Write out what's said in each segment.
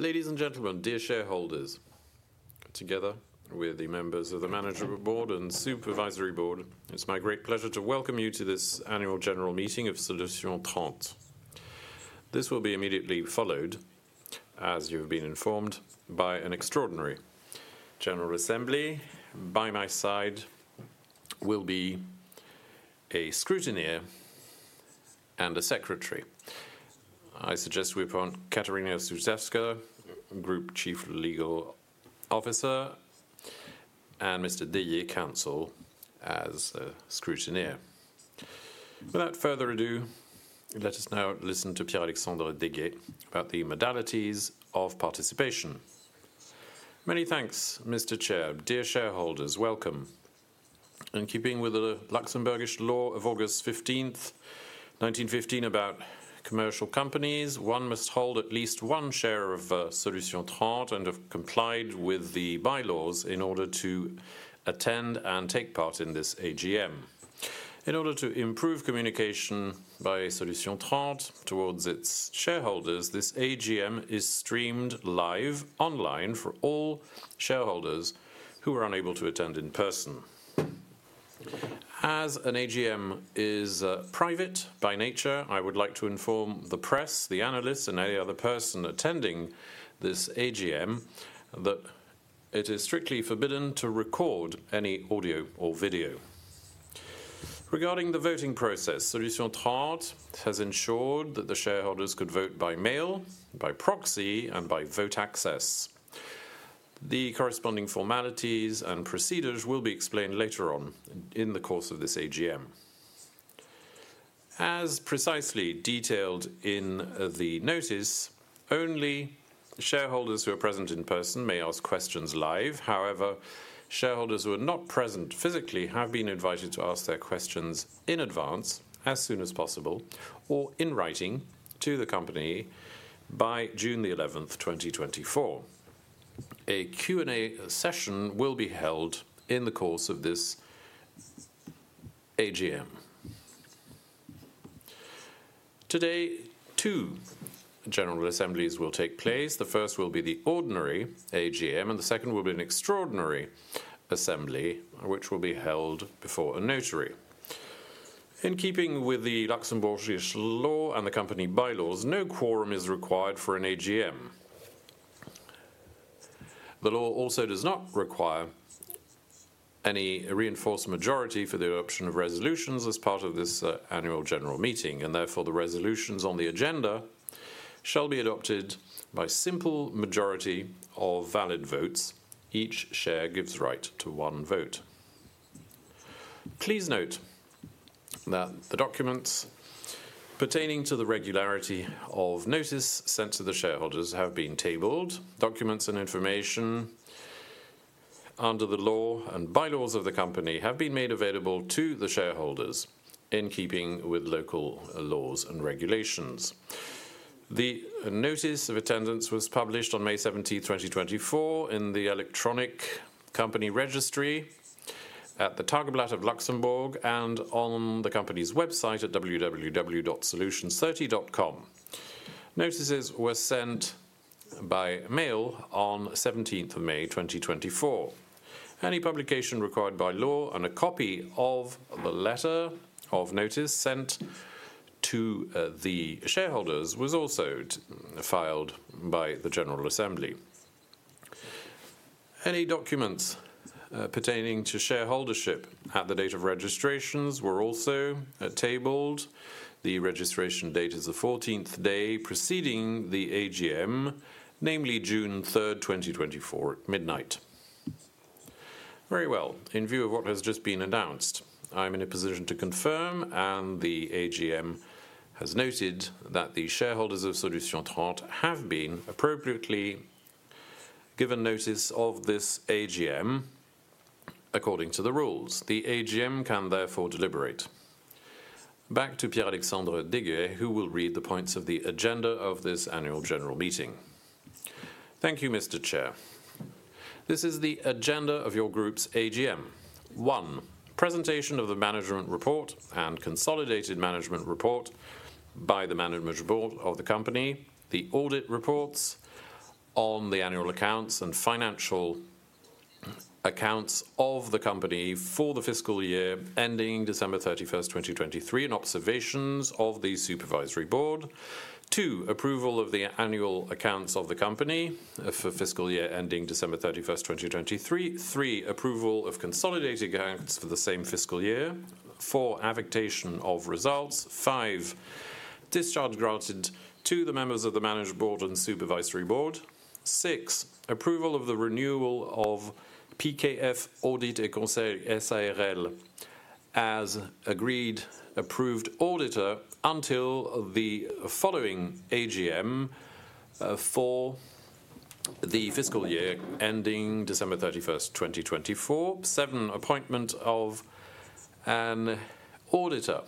Ladies and gentlemen, dear shareholders, together with the members of the Management Board and Supervisory Board, it's my great pleasure to welcome you to this annual general meeting of Solutions 30. This will be immediately followed, as you've been informed, by an extraordinary general assembly. By my side will be a scrutineer and a secretary. I suggest we appoint Katarzyna Kuszewska, Group Chief Legal Officer, and Mr. Degehet, counsel, as scrutineer. Without further ado, let us now listen to Pierre-Alexandre Degehet about the modalities of participation. Many thanks, Mr. Chair. Dear shareholders, welcome. In keeping with the Luxembourgish law of August 15th, 1915, about commercial companies, one must hold at least one share of Solutions 30 and have complied with the bylaws in order to attend and take part in this AGM. In order to improve communication by Solutions 30 towards its shareholders, this AGM is streamed live online for all shareholders who are unable to attend in person. As an AGM is private by nature, I would like to inform the press, the analysts, and any other person attending this AGM that it is strictly forbidden to record any audio or video. Regarding the voting process, Solutions 30 has ensured that the shareholders could vote by mail, by proxy, and by Votaccess. The corresponding formalities and procedures will be explained later on in the course of this AGM. As precisely detailed in the notice, only shareholders who are present in person may ask questions live. However, shareholders who are not present physically have been invited to ask their questions in advance, as soon as possible, or in writing to the company by June the 11th, 2024. A Q&A session will be held in the course of this AGM. Today, two general assemblies will take place. The first will be the ordinary AGM, and the second will be an extraordinary assembly, which will be held before a notary. In keeping with the Luxembourgish law and the company bylaws, no quorum is required for an AGM. The law also does not require any reinforced majority for the adoption of resolutions as part of this annual general meeting, and therefore, the resolutions on the agenda shall be adopted by simple majority of valid votes. Each share gives right to one vote. Please note that the documents pertaining to the regularity of notice sent to the shareholders have been tabled. Documents and information under the law and bylaws of the company have been made available to the shareholders in keeping with local laws and regulations. The notice of attendance was published on May 17th, 2024, in the electronic company registry at the Tageblatt of Luxembourg, and on the company's website at www.solutions30.com. Notices were sent by mail on 17th of May 2024. Any publication required by law and a copy of the letter of notice sent to the shareholders was also filed by the general assembly. Any documents pertaining to shareholdership at the date of registrations were also tabled. The registration date is the fourteenth day preceding the AGM, namely June 3rd, 2024, at midnight. Very well. In view of what has just been announced, I'm in a position to confirm, and the AGM has noted, that the shareholders of Solutions 30 have been appropriately given notice of this AGM according to the rules. The AGM can therefore deliberate. Back to Pierre-Alexandre Degehet, who will read the points of the agenda of this annual general meeting. Thank you, Mr. Chair. This is the agenda of your group's AGM. One, presentation of the management report and consolidated management report by the management board of the company, the audit reports on the annual accounts and financial accounts of the company for the fiscal year ending December 31st, 2023, and observations of the supervisory board. Two, approval of the annual accounts of the company for fiscal year ending December 31st, 2023. Three, approval of consolidated accounts for the same fiscal year. Four, affectation of results. Five, discharge granted to the members of the management board and supervisory board. Six, approval of the renewal of PKF Audit & Conseil S.à r.l. as agreed approved auditor until the following AGM for the fiscal year ending December 31st, 2024. 7, appointment of an auditor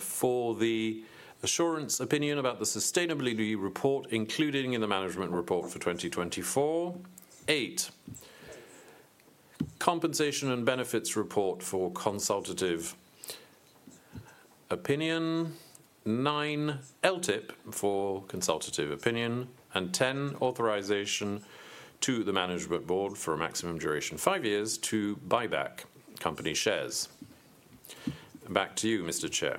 for the assurance opinion about the sustainability report, including in the management report for 2024. 8, Compensation and Benefits Report for consultative opinion. 9, LTIP for consultative opinion, and 10, authorization to the Management Board for a maximum duration of 5 years to buy back company shares. Back to you, Mr. Chair.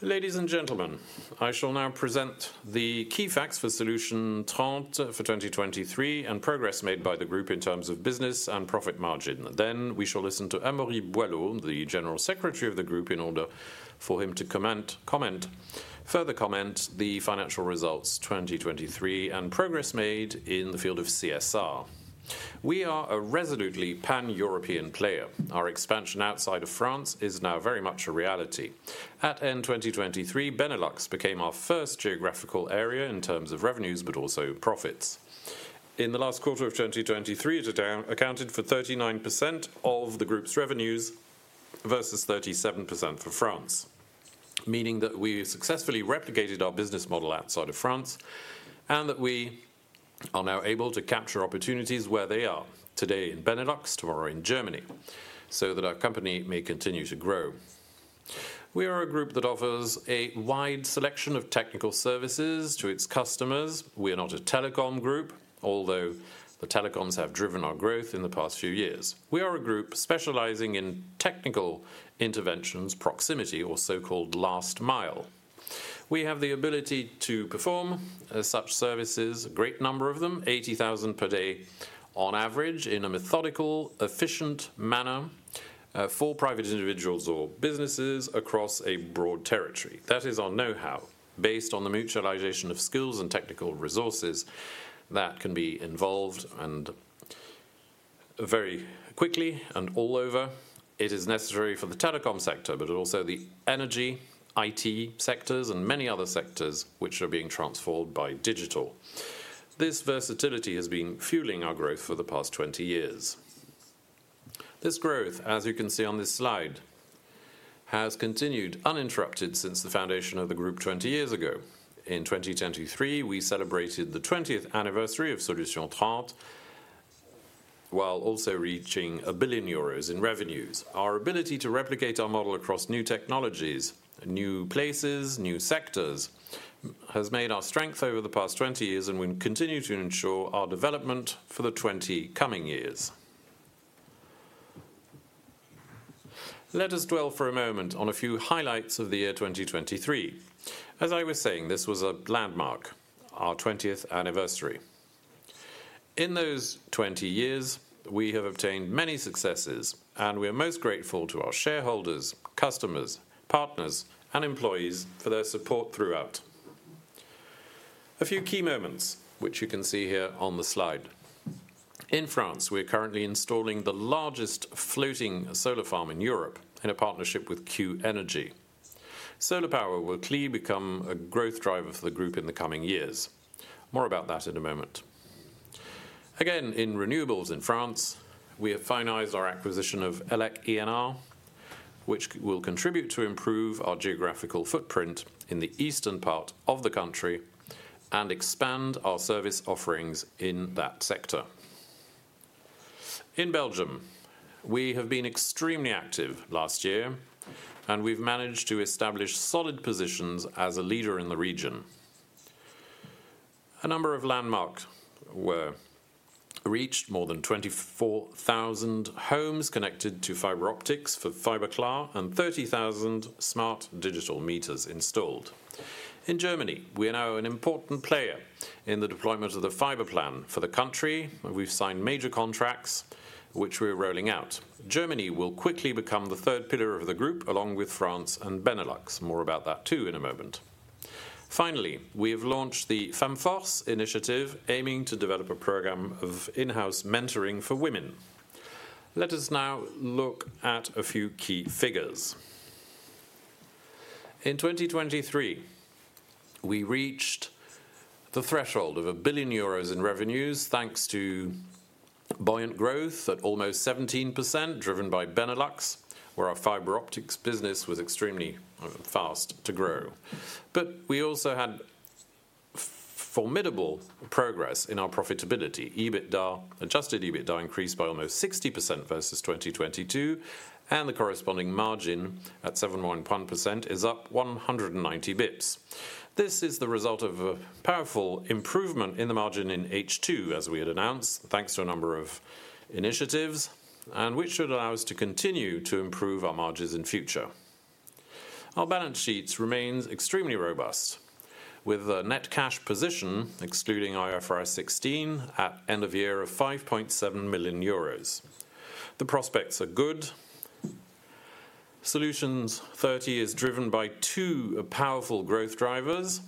Ladies and gentlemen, I shall now present the key facts for Solutions 30 for 2023, and progress made by the group in terms of business and profit margin. Then we shall listen to Amaury Boilot, the General Secretary of the group, in order for him to comment further on the financial results 2023, and progress made in the field of CSR. We are a resolutely pan-European player. Our expansion outside of France is now very much a reality. At end 2023, Benelux became our first geographical area in terms of revenues, but also profits. In the last quarter of 2023, it accounted for 39% of the group's revenues, versus 37% for France. Meaning that we successfully replicated our business model outside of France, and that we are now able to capture opportunities where they are, today in Benelux, tomorrow in Germany, so that our company may continue to grow. We are a group that offers a wide selection of technical services to its customers. We are not a telecom group, although the telecoms have driven our growth in the past few years. We are a group specializing in technical interventions, proximity, or so-called last mile. We have the ability to perform such services, a great number of them, 80,000 per day on average, in a methodical, efficient manner, for private individuals or businesses across a broad territory. That is our know-how, based on the mutualization of skills and technical resources that can be involved and very quickly and all over. It is necessary for the telecom sector, but also the energy, IT sectors, and many other sectors which are being transformed by digital. This versatility has been fueling our growth for the past 20 years. This growth, as you can see on this slide, has continued uninterrupted since the foundation of the group 20 years ago. In 2023, we celebrated the 20th anniversary of Solutions 30, while also reaching 1 billion euros in revenues. Our ability to replicate our model across new technologies, new places, new sectors, has made our strength over the past 20 years, and will continue to ensure our development for the 20 coming years. Let us dwell for a moment on a few highlights of the year 2023. As I was saying, this was a landmark, our 20th anniversary. In those 20 years, we have obtained many successes, and we are most grateful to our shareholders, customers, partners, and employees for their support throughout. A few key moments, which you can see here on the slide. In France, we are currently installing the largest floating solar farm in Europe, in a partnership with Q ENERGY. Solar power will clearly become a growth driver for the group in the coming years. More about that in a moment. Again, in renewables in France, we have finalized our acquisition of Elec ENR, which will contribute to improve our geographical footprint in the eastern part of the country and expand our service offerings in that sector. In Belgium, we have been extremely active last year, and we've managed to establish solid positions as a leader in the region. A number of landmarks were reached. More than 24,000 homes connected to fiber optics for Fiberklaar, and 30,000 smart digital meters installed. In Germany, we are now an important player in the deployment of the fiber plan for the country. We've signed major contracts, which we're rolling out. Germany will quickly become the third pillar of the group, along with France and Benelux. More about that, too, in a moment. Finally, we have launched the Femmes Force initiative, aiming to develop a program of in-house mentoring for women. Let us now look at a few key figures. In 2023, we reached the threshold of 1 billion euros in revenues, thanks to buoyant growth at almost 17%, driven by Benelux, where our fiber optics business was extremely fast to grow. But we also had formidable progress in our profitability. EBITDA, adjusted EBITDA increased by almost 60% versus 2022, and the corresponding margin at 7.1% is up 190 basis points. This is the result of a powerful improvement in the margin in H2, as we had announced, thanks to a number of initiatives, and which should allow us to continue to improve our margins in future. Our balance sheets remains extremely robust, with a net cash position, excluding IFRS 16, at end of year of 5.7 million euros. The prospects are good. Solutions 30 is driven by two powerful growth drivers,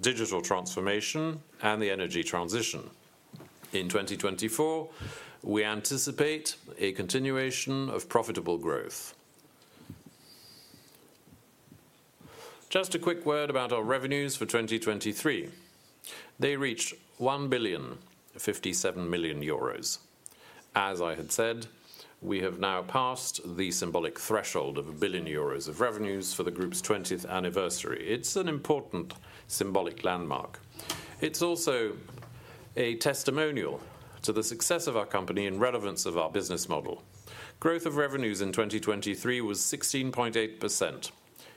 digital transformation and the energy transition. In 2024, we anticipate a continuation of profitable growth. Just a quick word about our revenues for 2023. They reached 1,057 million euros. As I had said, we have now passed the symbolic threshold of 1 billion euros of revenues for the group's 20th anniversary. It's an important symbolic landmark. It's also a testimonial to the success of our company and relevance of our business model. Growth of revenues in 2023 was 16.8%.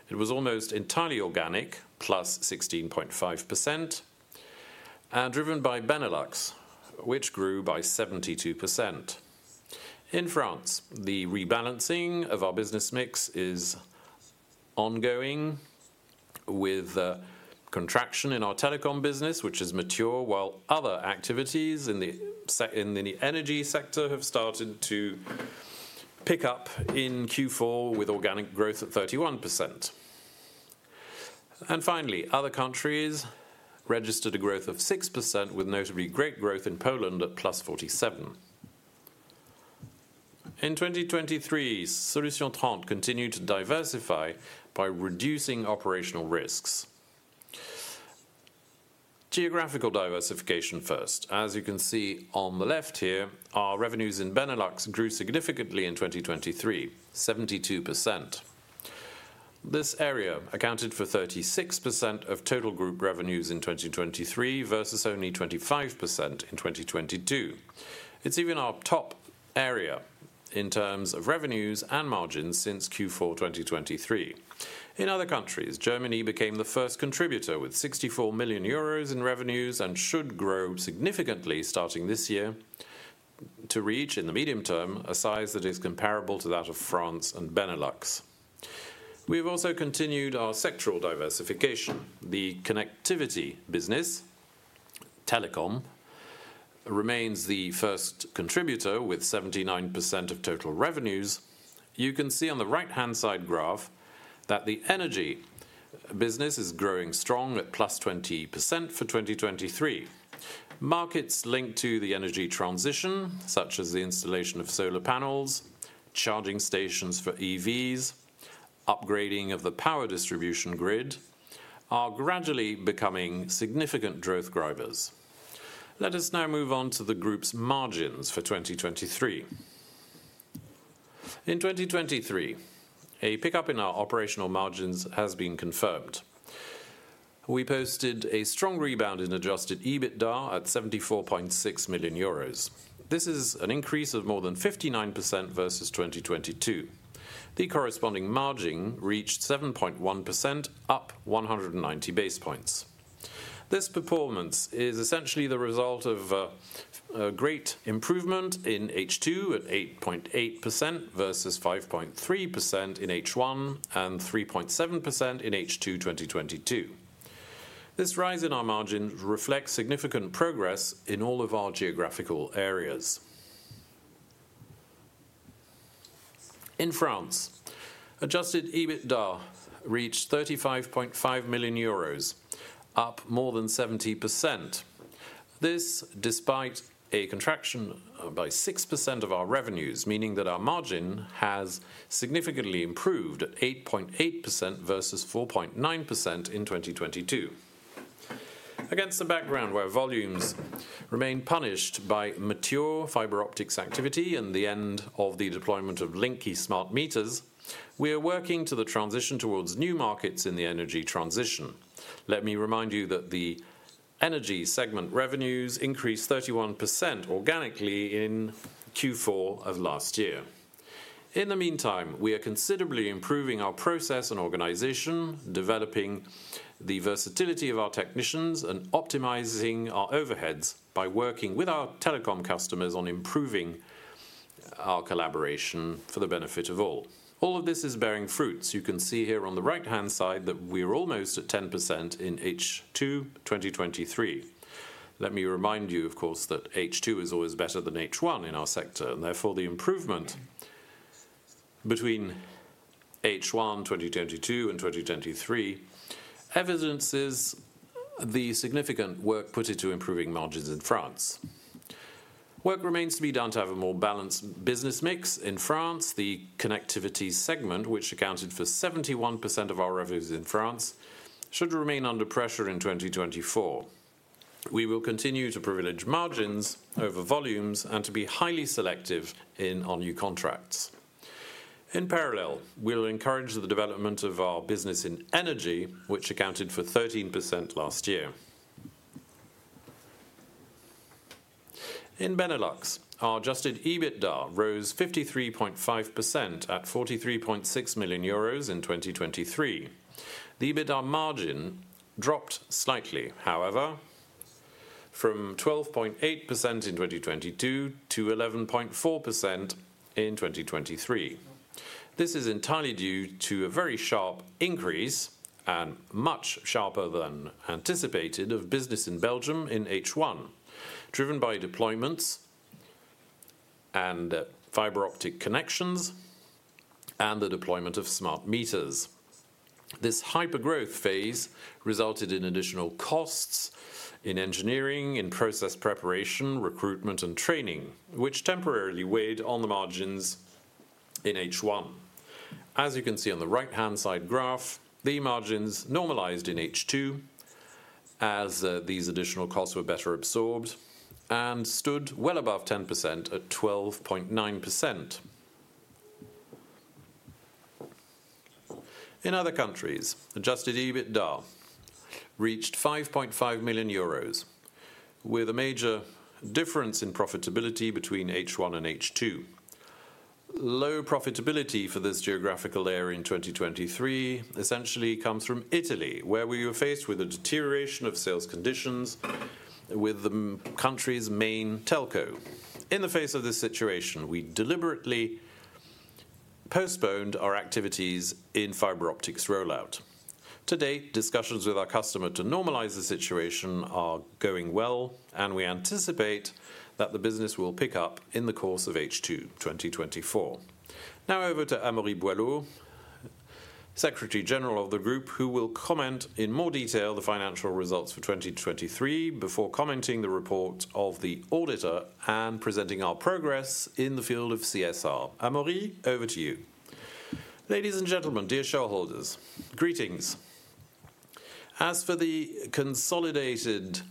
It was almost entirely organic, +16.5%, and driven by Benelux, which grew by 72%. In France, the rebalancing of our business mix is ongoing, with contraction in our telecom business, which is mature, while other activities in the energy sector have started to pick up in Q4 with organic growth of 31%. And finally, other countries registered a growth of 6%, with notably great growth in Poland at +47%. In 2023, Solutions 30 continued to diversify by reducing operational risks. Geographical diversification first. As you can see on the left here, our revenues in Benelux grew significantly in 2023, 72%. This area accounted for 36% of total group revenues in 2023, versus only 25% in 2022. It's even our top area in terms of revenues and margins since Q4 2023. In other countries, Germany became the first contributor, with 64 million euros in revenues, and should grow significantly starting this year to reach, in the medium term, a size that is comparable to that of France and Benelux. We've also continued our sectoral diversification. The connectivity business, telecom, remains the first contributor with 79% of total revenues. You can see on the right-hand side graph that the energy business is growing strong at +20% for 2023. Markets linked to the energy transition, such as the installation of solar panels, charging stations for EVs, upgrading of the power distribution grid, are gradually becoming significant growth drivers. Let us now move on to the group's margins for 2023. In 2023, a pickup in our operational margins has been confirmed. We posted a strong rebound in Adjusted EBITDA at 74.6 million euros. This is an increase of more than 59% versus 2022. The corresponding margin reached 7.1%, up 190 basis points. This performance is essentially the result of a great improvement in H2 at 8.8% versus 5.3% in H1, and 3.7% in H2 2022. This rise in our margin reflects significant progress in all of our geographical areas. In France, adjusted EBITDA reached 35.5 million euros, up more than 70%. This despite a contraction by 6% of our revenues, meaning that our margin has significantly improved at 8.8% versus 4.9% in 2022. Against a background where volumes remain punished by mature fiber optics activity and the end of the deployment of Linky smart meters, we are working to the transition towards new markets in the energy transition. Let me remind you that the energy segment revenues increased 31% organically in Q4 of last year. In the meantime, we are considerably improving our process and organization, developing the versatility of our technicians, and optimizing our overheads by working with our telecom customers on improving our collaboration for the benefit of all. All of this is bearing fruit. You can see here on the right-hand side that we are almost at 10% in H2 2023. Let me remind you, of course, that H2 is always better than H1 in our sector, and therefore, the improvement between H1 2022 and 2023 evidences the significant work put into improving margins in France. Work remains to be done to have a more balanced business mix. In France, the connectivity segment, which accounted for 71% of our revenues in France, should remain under pressure in 2024. We will continue to privilege margins over volumes and to be highly selective in our new contracts. In parallel, we will encourage the development of our business in energy, which accounted for 13% last year. In Benelux, our adjusted EBITDA rose 53.5% at 43.6 million euros in 2023. The EBITDA margin dropped slightly, however, from 12.8% in 2022 to 11.4% in 2023. This is entirely due to a very sharp increase, and much sharper than anticipated, of business in Belgium in H1, driven by deployments and fiber optic connections and the deployment of smart meters. This hyper growth resulted in additional costs in engineering, in process preparation, recruitment, and training, which temporarily weighed on the margins in H1. As you can see on the right-hand side graph, the margins normalized in H2 as these additional costs were better absorbed and stood well above 10% at 12.9%. In other countries, adjusted EBITDA reached 5.5 million euros, with a major difference in profitability between H1 and H2. Low profitability for this geographical area in 2023 essentially comes from Italy, where we were faced with a deterioration of sales conditions with the country's main telco. In the face of this situation, we deliberately postponed our activities in fiber optics rollout. To date, discussions with our customer to normalize the situation are going well, and we anticipate that the business will pick up in the course of H2 2024. Now over to Amaury Boilot, Secretary General of the Group, who will comment in more detail the financial results for 2023, before commenting the report of the auditor and presenting our progress in the field of CSR. Amaury, over to you. Ladies and gentlemen, dear shareholders, greetings. As for the consolidated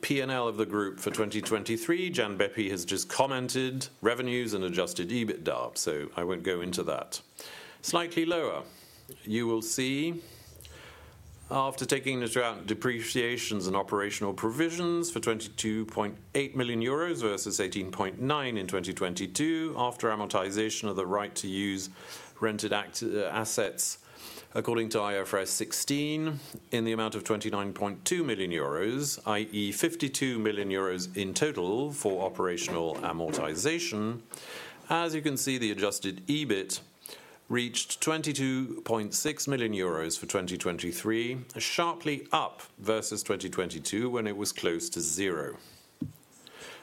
P&L of the group for 2023, Gianbeppi Fortis has just commented revenues and adjusted EBITDA, so I won't go into that. Slightly lower, you will see, after taking into account depreciations and operational provisions for 22.8 million euros versus 18.9 million in 2022, after amortization of the right to use rented assets, according to IFRS 16, in the amount of 29.2 million euros, i.e., 52 million euros in total for operational amortization. As you can see, the adjusted EBIT reached 22.6 million euros for 2023, sharply up versus 2022, when it was close to zero.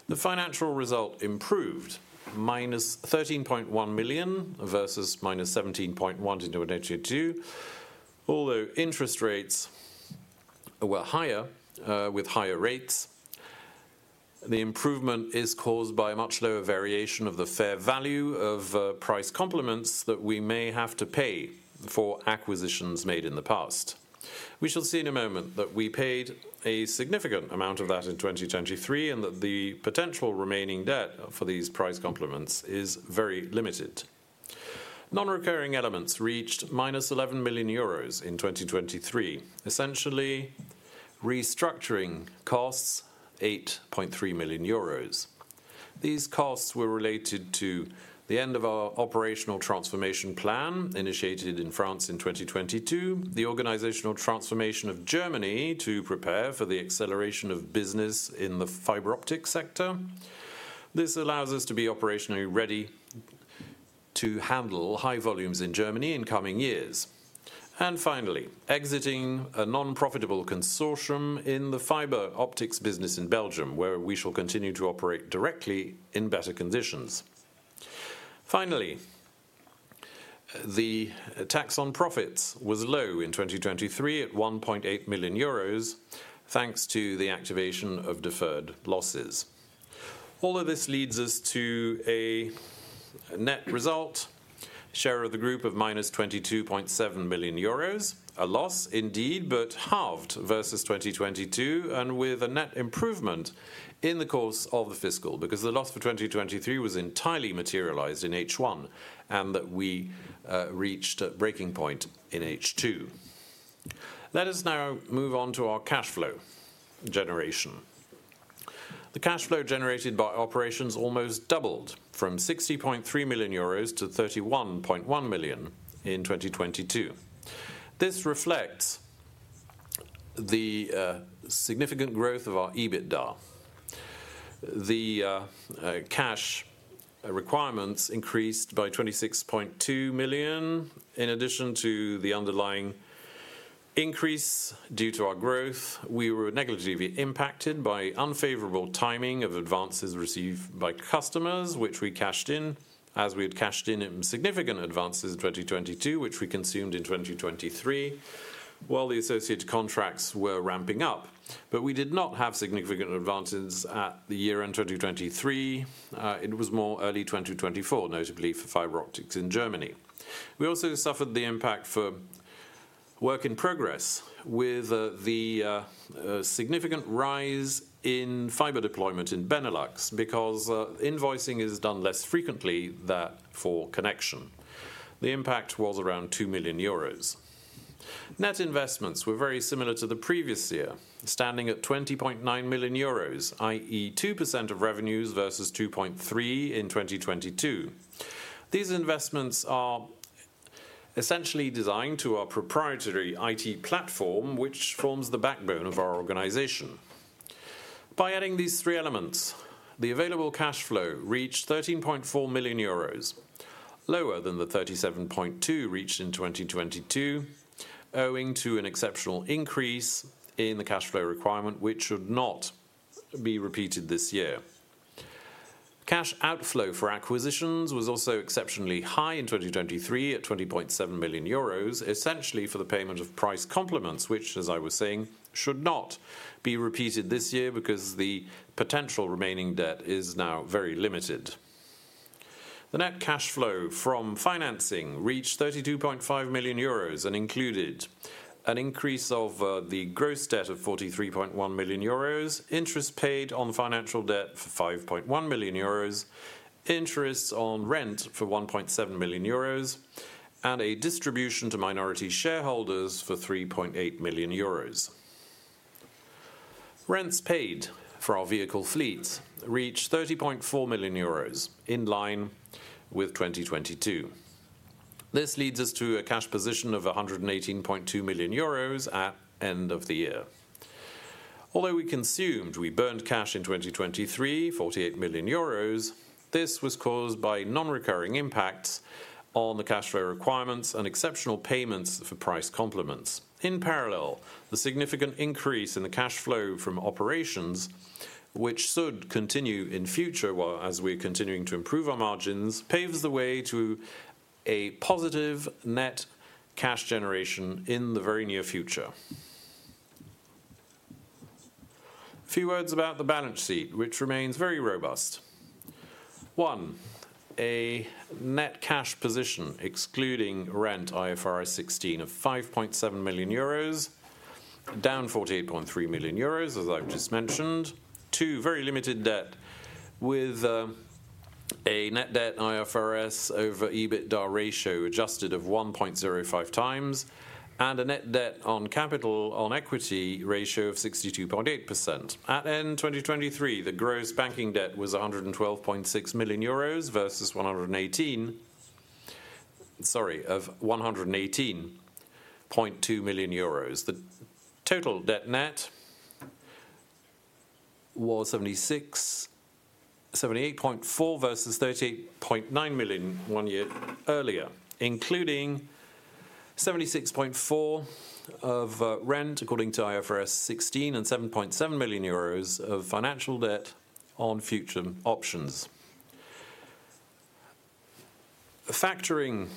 The financial result improved, minus 13.1 million versus minus 17.1 million in 2022. Although interest rates were higher, with higher rates, the improvement is caused by a much lower variation of the fair value of, price complements that we may have to pay for acquisitions made in the past. We shall see in a moment that we paid a significant amount of that in 2023, and that the potential remaining debt for these price complements is very limited. Non-recurring elements reached -11 million euros in 2023, essentially restructuring costs, 8.3 million euros. These costs were related to the end of our operational transformation plan, initiated in France in 2022, the organizational transformation of Germany to prepare for the acceleration of business in the fiber optics sector. This allows us to be operationally ready to handle high volumes in Germany in coming years. And finally, exiting a non-profitable consortium in the fiber optics business in Belgium, where we shall continue to operate directly in better conditions. Finally, the tax on profits was low in 2023 at 1.8 million euros, thanks to the activation of deferred losses. All of this leads us to a net result, share of the group of EUR- 22.7 million. A loss indeed, but halved versus 2022, and with a net improvement in the course of the fiscal, because the loss for 2023 was entirely materialized in H1, and that we reached a breaking point in H2. Let us now move on to our cash flow generation. The cash flow generated by operations almost doubled from 60.3 million euros to 31.1 million in 2022. This reflects the significant growth of our EBITDA. The cash requirements increased by 26.2 million. In addition to the underlying increase due to our growth, we were negatively impacted by unfavorable timing of advances received by customers, which we cashed in, as we had cashed in significant advances in 2022, which we consumed in 2023, while the associated contracts were ramping up. But we did not have significant advances at the year-end 2023. It was more early 2024, notably for fiber optics in Germany. We also suffered the impact for work in progress with the significant rise in fiber deployment in Benelux, because invoicing is done less frequently than for connection. The impact was around 2 million euros. Net investments were very similar to the previous year, standing at 20.9 million euros, i.e., 2% of revenues versus 2.3 in 2022. These investments are essentially designed to our proprietary IT platform, which forms the backbone of our organization. By adding these three elements, the available cash flow reached 13.4 million euros, lower than the 37.2 reached in 2022, owing to an exceptional increase in the cash flow requirement, which should not be repeated this year. Cash outflow for acquisitions was also exceptionally high in 2023, at 20.7 million euros, essentially for the payment of price complements, which, as I was saying, should not be repeated this year because the potential remaining debt is now very limited. The net cash flow from financing reached 32.5 million euros and included-... an increase of the gross debt of 43.1 million euros, interest paid on financial debt for 5.1 million euros, interests on rent for 1.7 million euros, and a distribution to minority shareholders for 3.8 million euros. Rents paid for our vehicle fleet reached 30.4 million euros, in line with 2022. This leads us to a cash position of 118.2 million euros at end of the year. Although we consumed, we burned cash in 2023, 48 million euros, this was caused by non-recurring impacts on the cash flow requirements and exceptional payments for price complements. In parallel, the significant increase in the cash flow from operations, which should continue in future, while as we're continuing to improve our margins, paves the way to a positive net cash generation in the very near future. A few words about the balance sheet, which remains very robust. One, a net cash position, excluding rent IFRS 16 of 5.7 million euros, down 48.3 million euros, as I've just mentioned. Two, very limited debt with a net debt IFRS over EBITDA ratio adjusted of 1.05 times, and a net debt on capital on equity ratio of 62.8%. At end 2023, the gross banking debt was 112.6 million euros versus 118... Sorry, of 118.2 million euros. The total debt net was 78.4 versus 38.9 million one year earlier, including 76.4 million of rent, according to IFRS 16, and 7.7 million euros of financial debt on future options. The factoring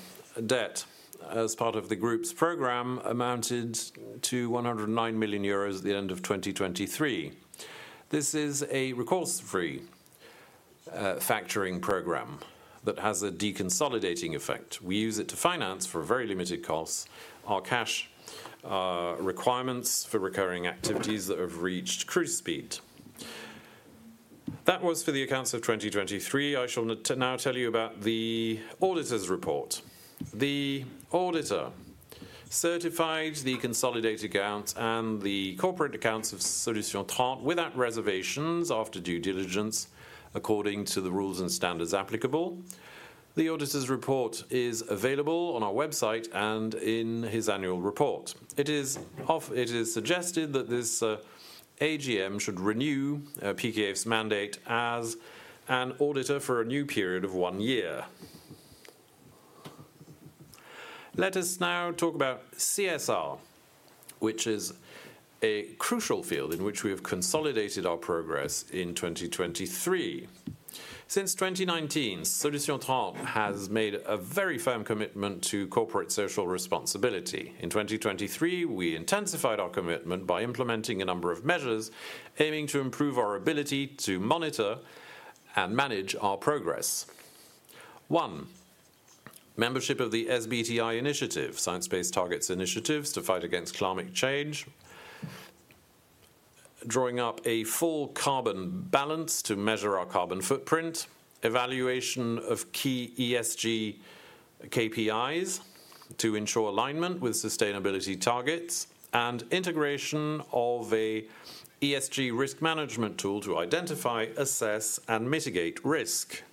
debt as part of the group's program amounted to 109 million euros at the end of 2023. This is a recourse-free factoring program that has a deconsolidating effect. We use it to finance, for very limited costs, our cash requirements for recurring activities that have reached cruise speed. That was for the accounts of 2023. I shall now tell you about the auditor's report. The auditor certified the consolidated accounts and the corporate accounts of Solutions 30 without reservations, after due diligence, according to the rules and standards applicable. The auditor's report is available on our website and in his annual report. It is suggested that this AGM should renew PKF's mandate as an auditor for a new period of one year. Let us now talk about CSR, which is a crucial field in which we have consolidated our progress in 2023. Since 2019, Solutions 30 has made a very firm commitment to corporate social responsibility. In 2023, we intensified our commitment by implementing a number of measures, aiming to improve our ability to monitor and manage our progress. 1. Membership of the SBTI Initiative, Science Based Targets initiatives to fight against climate change. Drawing up a full carbon balance to measure our carbon footprint, evaluation of key ESG KPIs to ensure alignment with sustainability targets, and integration of an ESG risk management tool to identify, assess, and mitigate risk.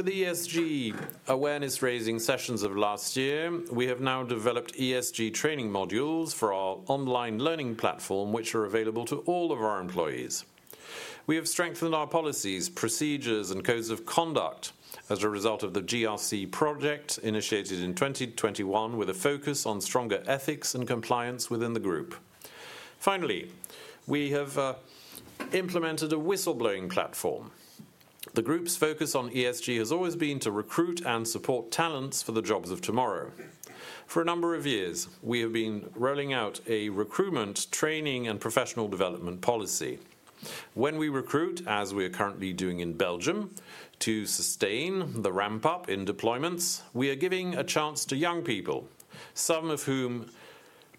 With the ESG awareness-raising sessions of last year, we have now developed ESG training modules for our online learning platform, which are available to all of our employees. We have strengthened our policies, procedures, and codes of conduct as a result of the GRC project, initiated in 2021, with a focus on stronger ethics and compliance within the group. Finally, we have implemented a whistleblowing platform. The group's focus on ESG has always been to recruit and support talents for the jobs of tomorrow. For a number of years, we have been rolling out a recruitment, training, and professional development policy. When we recruit, as we are currently doing in Belgium, to sustain the ramp-up in deployments, we are giving a chance to young people, some of whom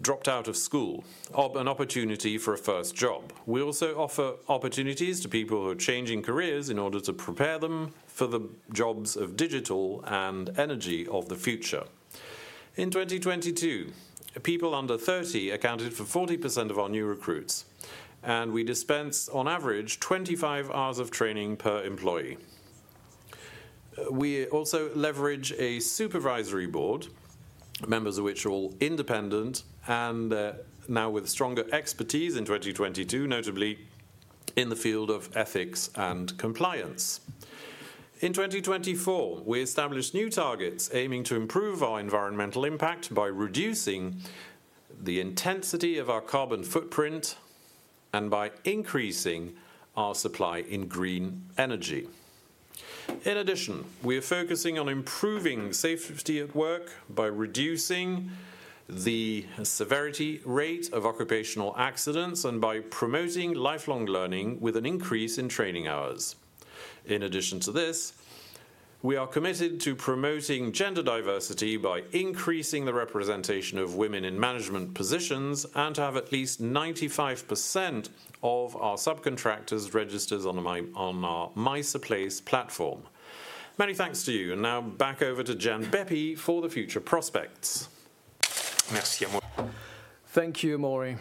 dropped out of school, an opportunity for a first job. We also offer opportunities to people who are changing careers in order to prepare them for the jobs of digital and energy of the future. In 2022, people under 30 accounted for 40% of our new recruits, and we dispense on average 25 hours of training per employee. We also leverage a Supervisory Board, members of which are all independent and now with stronger expertise in 2022, notably in the field of ethics and compliance. In 2024, we established new targets aiming to improve our environmental impact by reducing the intensity of our carbon footprint and by increasing our supply in green energy. In addition, we are focusing on improving safety at work by reducing the severity rate of occupational accidents and by promoting lifelong learning with an increase in training hours. In addition to this, we are committed to promoting gender diversity by increasing the representation of women in management positions, and to have at least 95% of our subcontractors registered on our MySupply platform. Many thanks to you, and now back over to Gianbeppi for the future prospects. Merci, Amaury. Thank you, Amaury.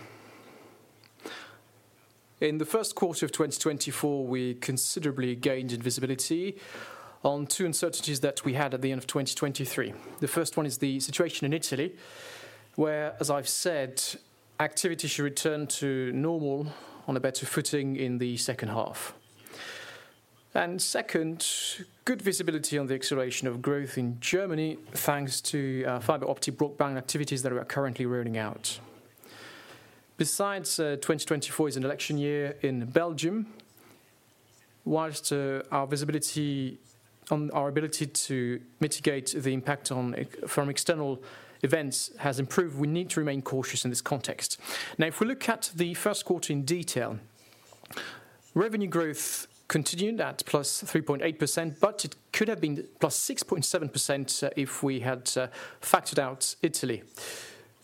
In the first quarter of 2024, we considerably gained in visibility on two uncertainties that we had at the end of 2023. The first one is the situation in Italy, where, as I've said, activity should return to normal on a better footing in the second half. And second, good visibility on the acceleration of growth in Germany, thanks to fiber optic broadband activities that are currently rolling out. Besides, 2024 is an election year in Belgium. Whilst our visibility on our ability to mitigate the impact from external events has improved, we need to remain cautious in this context. Now, if we look at the first quarter in detail, revenue growth continued at +3.8%, but it could have been +6.7%, if we had factored out Italy.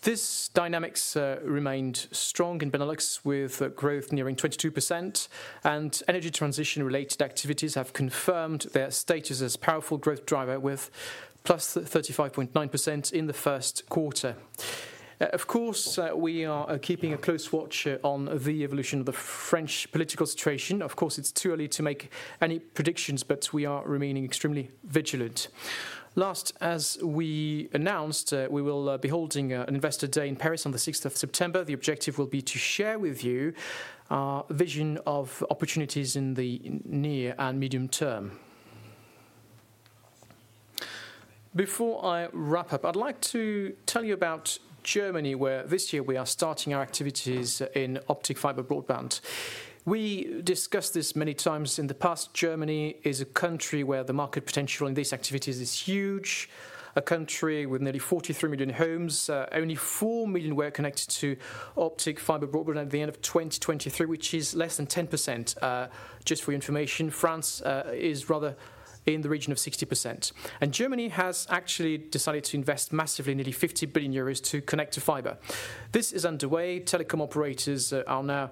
These dynamics remained strong in Benelux, with growth nearing 22%, and energy transition-related activities have confirmed their status as powerful growth driver with +35.9% in the first quarter. Of course, we are keeping a close watch on the evolution of the French political situation. Of course, it's too early to make any predictions, but we are remaining extremely vigilant. Last, as we announced, we will be holding an Investor Day in Paris on the sixth of September. The objective will be to share with you our vision of opportunities in the near and medium term. Before I wrap up, I'd like to tell you about Germany, where this year we are starting our activities in optic fiber broadband. We discussed this many times in the past. Germany is a country where the market potential in these activities is huge. A country with nearly 43 million homes, only 4 million were connected to optic fiber broadband at the end of 2023, which is less than 10%. Just for your information, France is rather in the region of 60%. And Germany has actually decided to invest massively, nearly 50 billion euros, to connect to fiber. This is underway. Telecom operators are now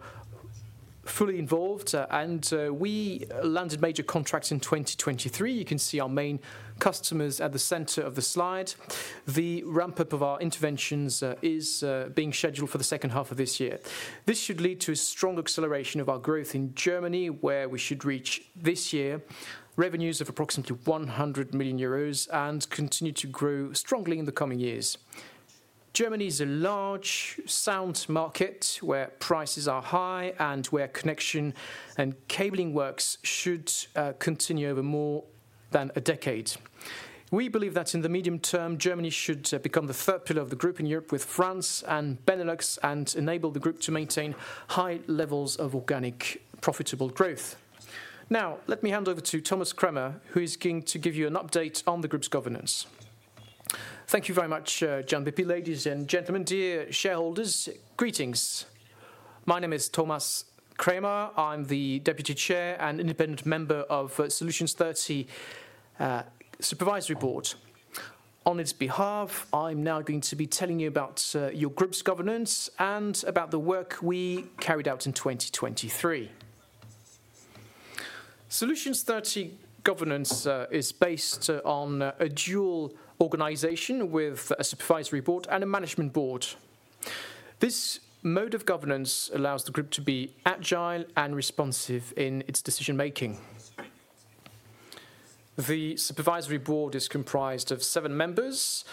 fully involved, and we landed major contracts in 2023. You can see our main customers at the center of the slide. The ramp-up of our interventions is being scheduled for the second half of this year. This should lead to a strong acceleration of our growth in Germany, where we should reach this year, revenues of approximately 100 million euros and continue to grow strongly in the coming years. Germany is a large, sound market where prices are high and where connection and cabling works should continue over more than a decade. We believe that in the medium term, Germany should become the third pillar of the group in Europe with France and Benelux, and enable the group to maintain high levels of organic, profitable growth. Now, let me hand over to Thomas Kremer, who is going to give you an update on the group's governance. Thank you very much, Gianbeppi. Ladies and gentlemen, dear shareholders, greetings. My name is Thomas Kremer. I'm the Deputy Chair and independent member of Solutions 30 Supervisory Board. On its behalf, I'm now going to be telling you about your group's governance and about the work we carried out in 2023. Solutions 30 governance is based on a dual organization with a supervisory board and a management board. This mode of governance allows the group to be agile and responsive in its decision-making. The supervisory board is comprised of seven members.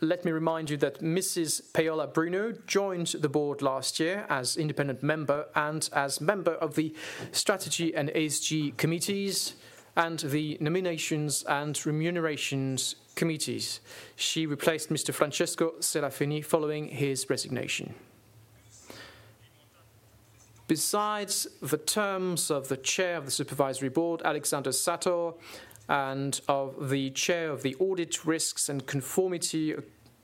Let me remind you that Mrs. Paola Bruno joined the board last year as independent member and as member of the Strategy and ESG Committees, and the Nominations and Remuneration Committees. She replaced Mr. Francesco Serafini following his resignation. Besides, the terms of the Chair of the Supervisory Board, Alexandre Sator, and of the Chair of the Audit, Risks, and Compliance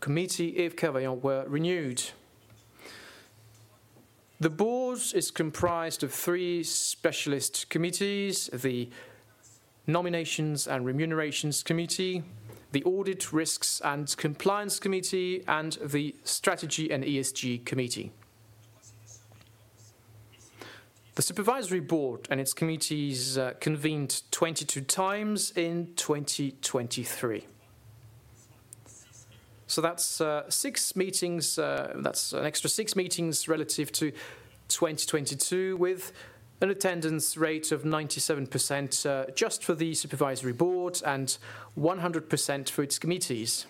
Committee, Yves Kerveillant, were renewed. The board is comprised of three specialist committees: the Nominations and Remuneration Committee, the Audit, Risks, and Compliance Committee, and the Strategy and ESG Committee. The supervisory board and its committees convened 22 times in 2023. So that's 6 meetings, that's an extra 6 meetings relative to 2022, with an attendance rate of 97%, just for the Supervisory Board and 100% for its committees.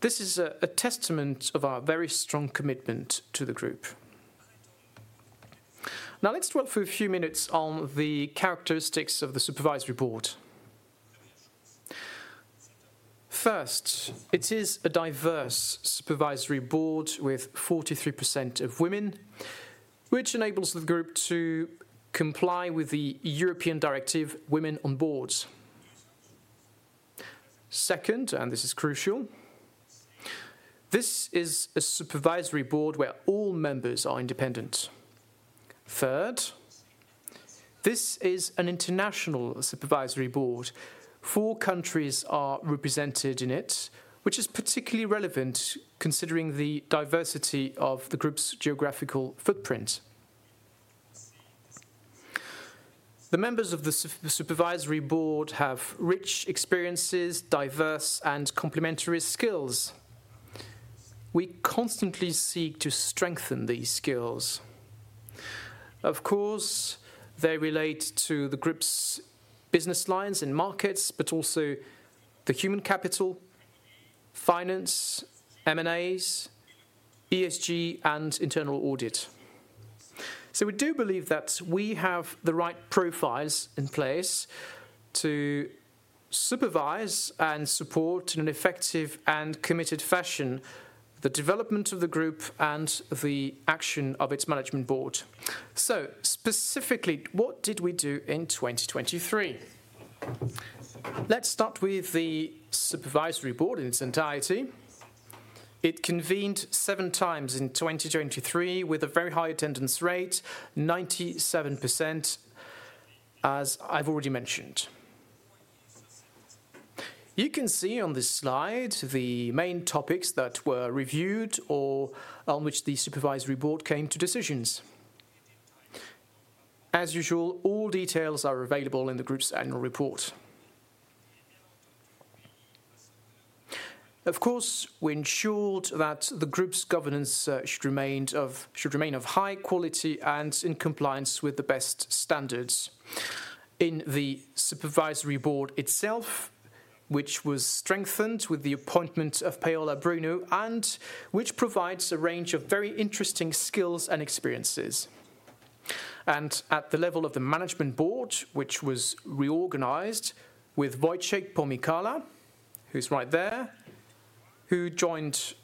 This is a testament of our very strong commitment to the group. Now, let's talk for a few minutes on the characteristics of the Supervisory Board. First, it is a diverse Supervisory Board with 43% of women, which enables the group to comply with the European Directive Women on Boards.... Second, and this is crucial, this is a Supervisory Board where all members are independent. Third, this is an international Supervisory Board. Four countries are represented in it, which is particularly relevant considering the diversity of the group's geographical footprint. The members of the Supervisory Board have rich experiences, diverse, and complementary skills. We constantly seek to strengthen these skills. Of course, they relate to the group's business lines and markets, but also the human capital, finance, M&As, ESG, and internal audit. So we do believe that we have the right profiles in place to supervise and support, in an effective and committed fashion, the development of the group and the action of its Management Board. So specifically, what did we do in 2023? Let's start with the Supervisory Board in its entirety. It convened seven times in 2023, with a very high attendance rate, 97%, as I've already mentioned. You can see on this slide the main topics that were reviewed or on which the Supervisory Board came to decisions. As usual, all details are available in the group's annual report. Of course, we ensured that the group's governance should remain of high quality and in compliance with the best standards. In the Supervisory Board itself, which was strengthened with the appointment of Paola Bruno, and which provides a range of very interesting skills and experiences. At the level of the Management Board, which was reorganized with Wojciech Pomykała, who's right there, who joined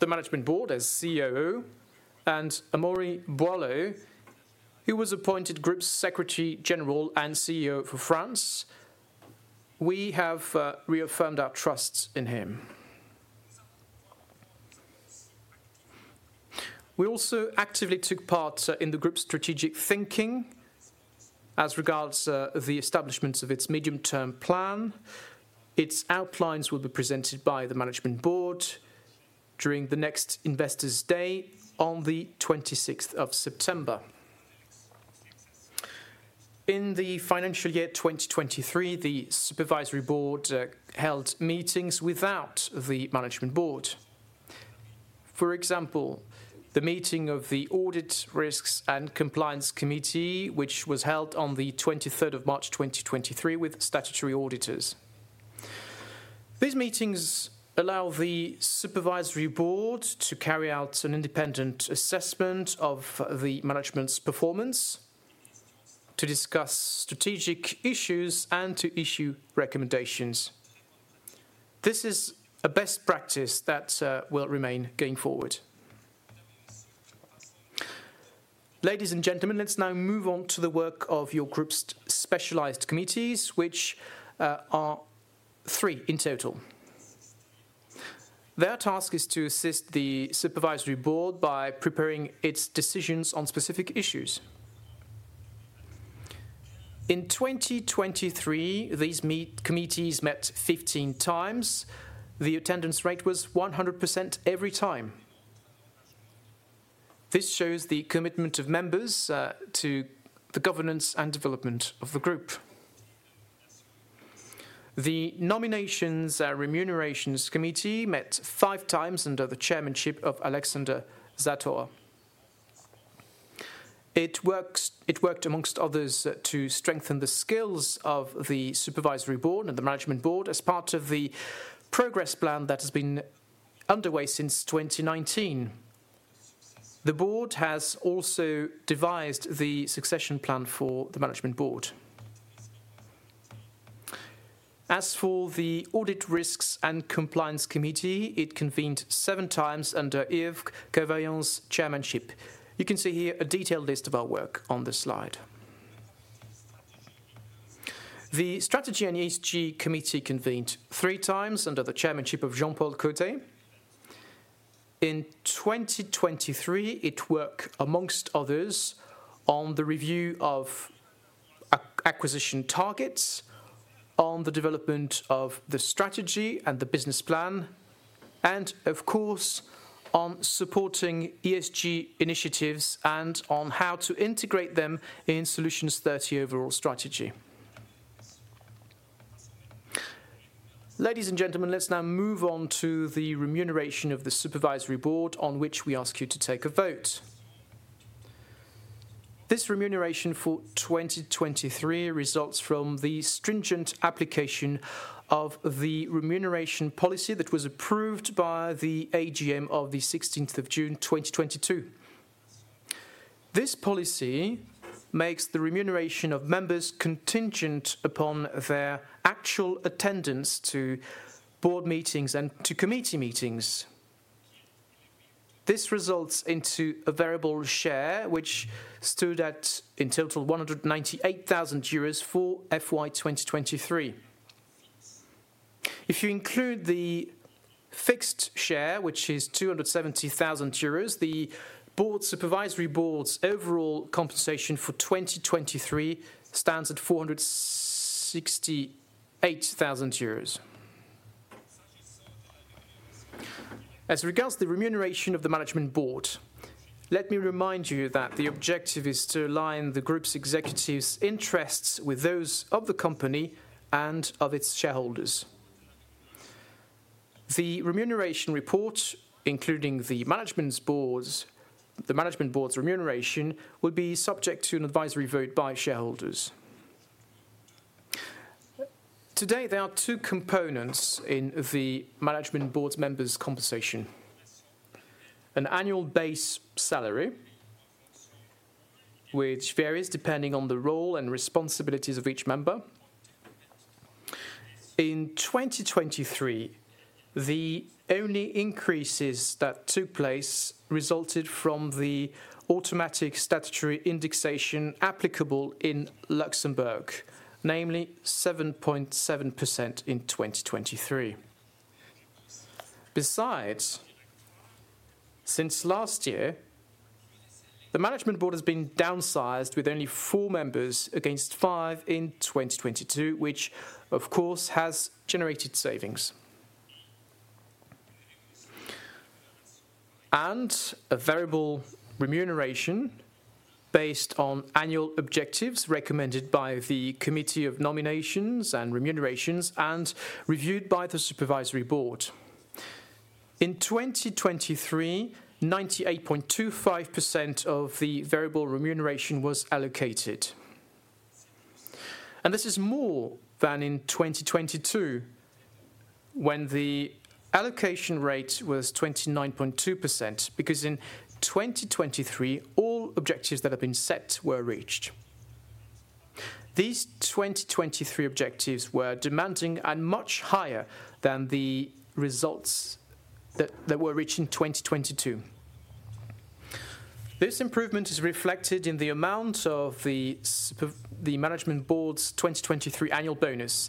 the Management Board as COO, and Amaury Boilot, who was appointed Group Secretary General and CEO for France. We have reaffirmed our trusts in him. We also actively took part in the group's strategic thinking as regards the establishment of its medium-term plan. Its outlines will be presented by the Management Board during the next investors day on the twenty-sixth of September. In the financial year 2023, the Supervisory Board held meetings without the Management Board. For example, the meeting of the Audit, Risks, and Compliance Committee, which was held on the twenty-third of March, 2023, with statutory auditors. These meetings allow the Supervisory Board to carry out an independent assessment of the management's performance, to discuss strategic issues, and to issue recommendations. This is a best practice that will remain going forward. Ladies and gentlemen, let's now move on to the work of your group's specialized committees, which are three in total. Their task is to assist the Supervisory Board by preparing its decisions on specific issues. In 2023, committees met 15 times. The attendance rate was 100% every time. This shows the commitment of members to the governance and development of the group. The Nominations and Remuneration Committee met 5 times under the chairmanship of Alexandre Sator. It worked amongst others, to strengthen the skills of the Supervisory Board and the Management Board as part of the progress plan that has been underway since 2019. The board has also devised the succession plan for the Management Board. As for the Audit, Risks, and Compliance Committee, it convened seven times under Yves Kerveillant's chairmanship. You can see here a detailed list of our work on this slide. The Strategy and ESG Committee convened three times under the chairmanship of Jean-Paul Cottet. In 2023, it worked among others on the review of acquisition targets, on the development of the strategy and the business plan, and of course, on supporting ESG initiatives and on how to integrate them in Solutions 30 overall strategy. Ladies and gentlemen, let's now move on to the remuneration of the Supervisory Board, on which we ask you to take a vote. This remuneration for 2023 results from the stringent application of the remuneration policy that was approved by the AGM of the 16th of June, 2022. This policy makes the remuneration of members contingent upon their actual attendance to board meetings and to committee meetings. This results into a variable share, which stood at, in total, 198 thousand euros for FY 2023. If you include the fixed share, which is 270 thousand euros, the board, Supervisory Board's overall compensation for 2023 stands at EUR 468 thousand. As regards to the remuneration of the Management Board, let me remind you that the objective is to align the group's executives' interests with those of the company and of its shareholders. The remuneration report, including the Management's Boards, the Management Board's remuneration, will be subject to an advisory vote by shareholders. Today, there are two components in the Management Board members' compensation: an annual base salary, which varies depending on the role and responsibilities of each member. In 2023, the only increases that took place resulted from the automatic statutory indexation applicable in Luxembourg, namely 7.7% in 2023. Besides, since last year, the Management Board has been downsized with only 4 members against 5 in 2022, which of course, has generated savings. A variable remuneration based on annual objectives recommended by the Committee of Nominations and Remuneration, and reviewed by the Supervisory Board. In 2023, 98.25% of the variable remuneration was allocated, and this is more than in 2022, when the allocation rate was 29.2%, because in 2023, all objectives that had been set were reached. These 2023 objectives were demanding and much higher than the results that were reached in 2022. This improvement is reflected in the amount of the Management Board's 2023 annual bonus.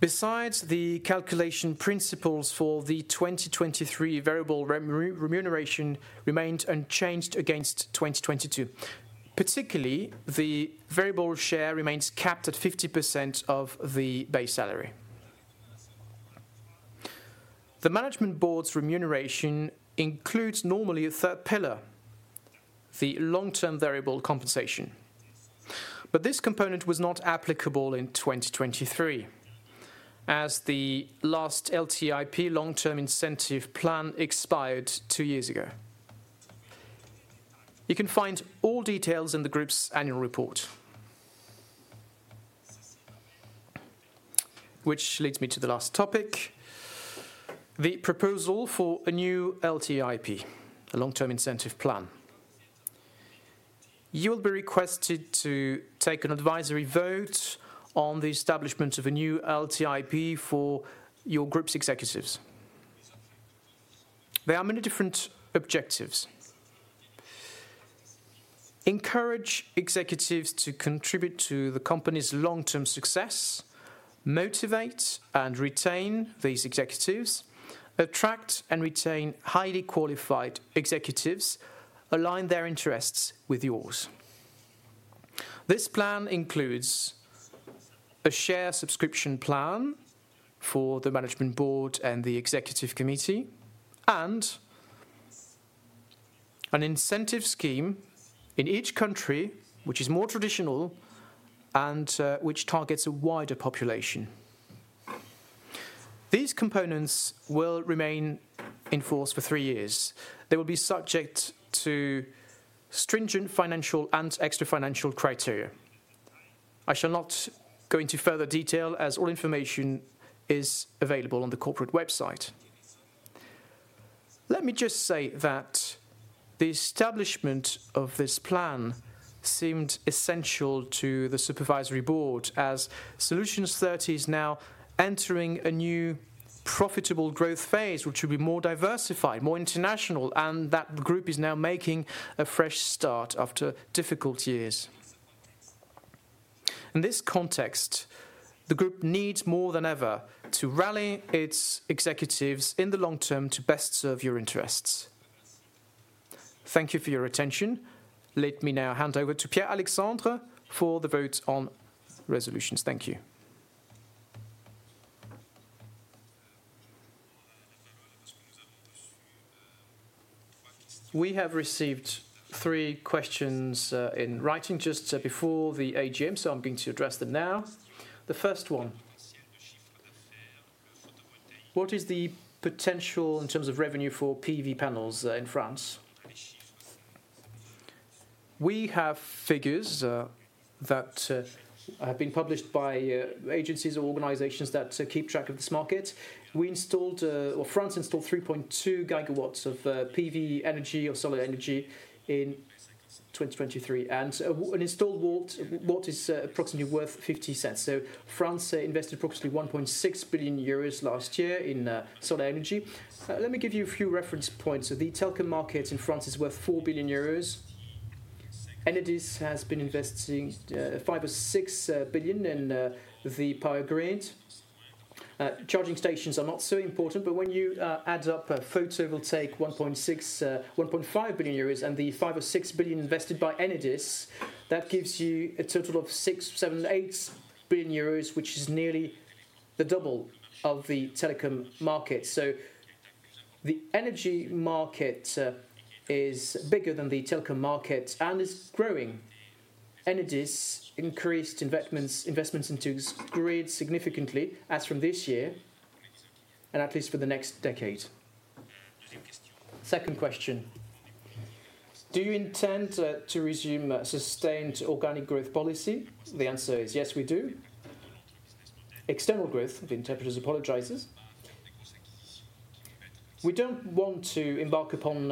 Besides, the calculation principles for the 2023 variable remuneration remained unchanged against 2022. Particularly, the variable share remains capped at 50% of the base salary. The Management Board's remuneration includes normally a third pillar, the long-term variable compensation, but this component was not applicable in 2023, as the last LTIP, Long-Term Incentive Plan, expired two years ago. You can find all details in the group's annual report. Which leads me to the last topic, the proposal for a new LTIP, a Long-Term Incentive Plan. You will be requested to take an advisory vote on the establishment of a new LTIP for your group's executives. There are many different objectives: encourage executives to contribute to the company's long-term success, motivate and retain these executives, attract and retain highly qualified executives, align their interests with yours. This plan includes a share subscription plan for the Management Board and the executive committee, and an incentive scheme in each country, which is more traditional and, which targets a wider population. These components will remain in force for three years. They will be subject to stringent financial and extra-financial criteria. I shall not go into further detail, as all information is available on the corporate website. Let me just say that the establishment of this plan seemed essential to the Supervisory Board, as Solutions 30 is now entering a new profitable growth phase, which will be more diversified, more international, and that the group is now making a fresh start after difficult years. In this context, the group needs more than ever to rally its executives in the long term to best serve your interests. Thank you for your attention. Let me now hand over to Pierre-Alexandre for the vote on resolutions. Thank you. We have received three questions in writing just before the AGM, so I'm going to address them now. The first one: What is the potential in terms of revenue for PV panels in France? We have figures that have been published by agencies or organizations that keep track of this market. We installed, or France installed 3.2 gigawatts of PV energy or solar energy in 2023, and an installed watt is approximately worth 0.50. So France invested approximately 1.6 billion euros last year in solar energy. Let me give you a few reference points. So the telecom market in France is worth 4 billion euros. Enedis has been investing five or six billion in the power grid. Charging stations are not so important, but when you add up photovoltaic 1.6, 1.5 billion euros, and the five or six billion invested by Enedis, that gives you a total of six, seven, eight billion EUR, which is nearly the double of the telecom market. So the energy market is bigger than the telecom market and is growing. Enedis increased investments into smart grid significantly as from this year, and at least for the next decade. Second question: Do you intend to resume sustained organic growth policy? The answer is, yes, we do. External growth... The interpreter apologizes. We don't want to embark upon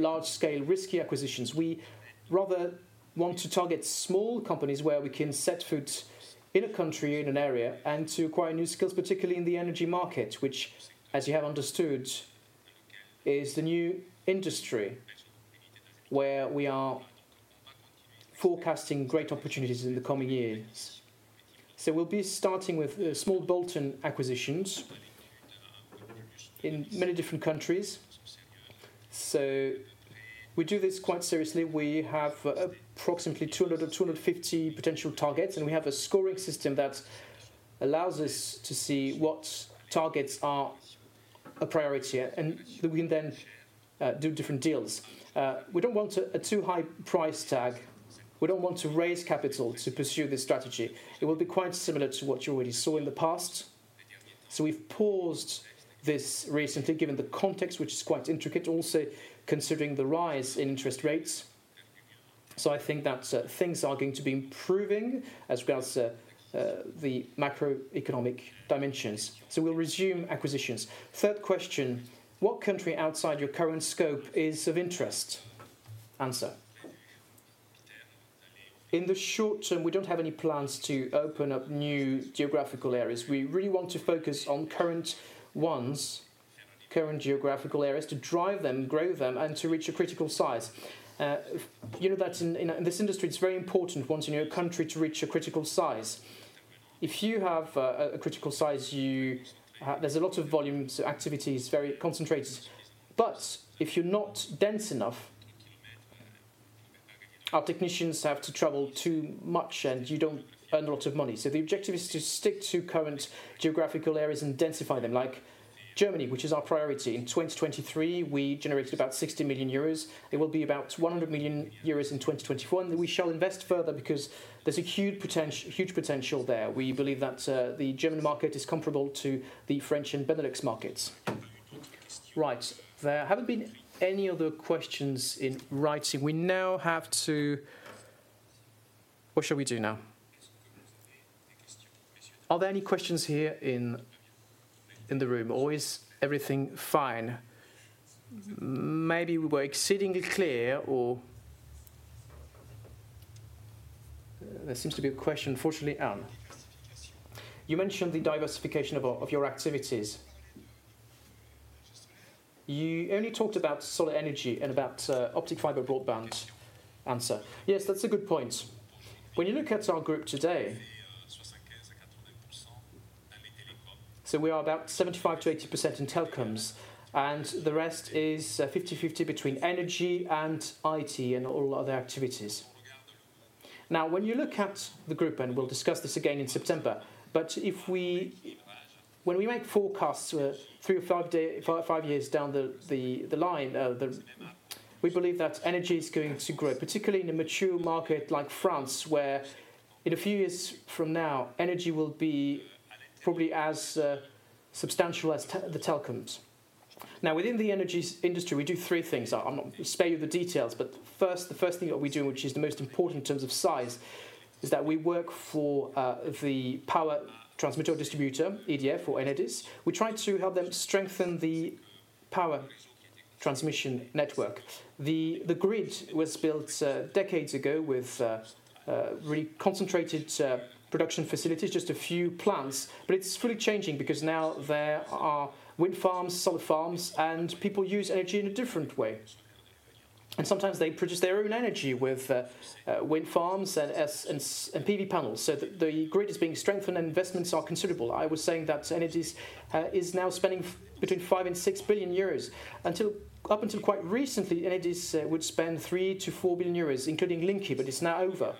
large scale, risky acquisitions. We rather want to target small companies where we can set foot in a country, in an area, and to acquire new skills, particularly in the energy market, which, as you have understood, is the new industry where we are forecasting great opportunities in the coming years. So we'll be starting with small bolt-on acquisitions in many different countries. So we do this quite seriously. We have approximately 200-250 potential targets, and we have a scoring system that allows us to see what targets are a priority and that we can then do different deals. We don't want a too high price tag. We don't want to raise capital to pursue this strategy. It will be quite similar to what you already saw in the past. So we've paused this recently, given the context, which is quite intricate, also considering the rise in interest rates. So I think that things are going to be improving as regards the macroeconomic dimensions. So we'll resume acquisitions. Third question: What country outside your current scope is of interest? Answer: In the short term, we don't have any plans to open up new geographical areas. We really want to focus on current ones, current geographical areas, to drive them, grow them, and to reach a critical size. You know that in this industry, it's very important once in your country to reach a critical size. If you have a critical size, there's a lot of volume, so activity is very concentrated. But if you're not dense enough, our technicians have to travel too much, and you don't earn a lot of money. So the objective is to stick to current geographical areas and densify them, like Germany, which is our priority. In 2023, we generated about 60 million euros. It will be about 100 million euros in 2021, and we shall invest further because there's a huge potential there. We believe that the German market is comparable to the French and Benelux markets. Right. There haven't been any other questions in writing. We now have to... What shall we do now? Are there any questions here in the room, or is everything fine? Maybe we were exceedingly clear, or... There seems to be a question. Fortunately, Anne.You mentioned the diversification of our activities. You only talked about solar energy and about optic fiber broadband. Answer: Yes, that's a good point. When you look at our group today, so we are about 75%-80% in telecoms, and the rest is 50/50 between energy and IT and all other activities. Now, when you look at the group, and we'll discuss this again in September, but if we—when we make forecasts, three or five years down the line, we believe that energy is going to grow, particularly in a mature market like France, where in a few years from now, energy will be probably as substantial as the telecoms. Now, within the energies industry, we do three things. I'll not spare you the details, but first, the first thing that we do, which is the most important in terms of size, is that we work for, the power transmitter or distributor, EDF or Enedis. We try to help them strengthen the power transmission network. The grid was built, decades ago with really concentrated production facilities, just a few plants, but it's fully changing because now there are wind farms, solar farms, and people use energy in a different way. And sometimes they produce their own energy with wind farms and PV panels. So the grid is being strengthened, and investments are considerable. I was saying that Enedis is now spending between 5 billion and 6 billion euros. Up until quite recently, Enedis would spend 3-4 billion euros, including Linky, but it's now over.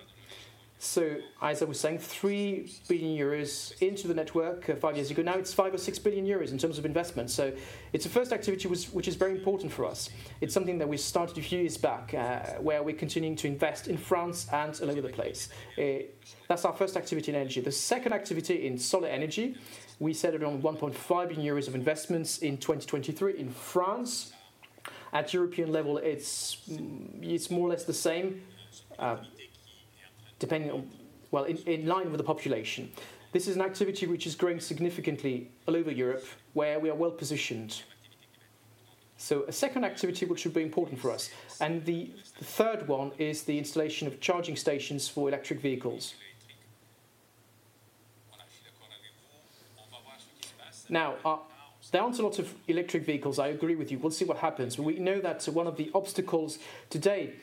So as I was saying, 3 billion euros into the network, 5 years ago, now it's 5-6 billion euros in terms of investment. So it's the first activity which is very important for us. It's something that we started a few years back, where we're continuing to invest in France and all over the place. That's our first activity in energy. The second activity in solar energy, we set it on 1.5 billion euros of investments in 2023 in France. At European level, it's more or less the same, depending on, well, in line with the population. This is an activity which is growing significantly all over Europe, where we are well-positioned. So a second activity which will be important for us, and the third one is the installation of charging stations for electric vehicles. Now, there aren't a lot of electric vehicles, I agree with you. We'll see what happens. We know that one of the obstacles today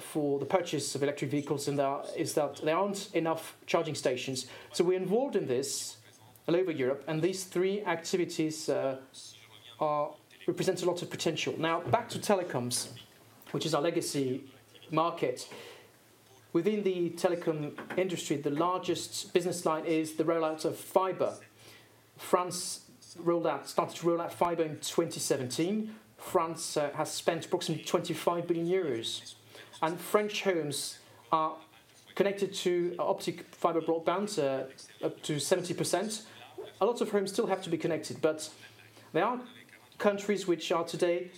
for the purchase of electric vehicles and that is that there aren't enough charging stations. So we're involved in this all over Europe, and these three activities represent a lot of potential. Now, back to telecoms, which is our legacy market. Within the telecom industry, the largest business line is the rollout of fiber. France rolled out, started to roll out fiber in 2017. France has spent approximately 25 billion euros, and French homes are connected to optic fiber broadband up to 70%. A lot of homes still have to be connected, but there are countries which are today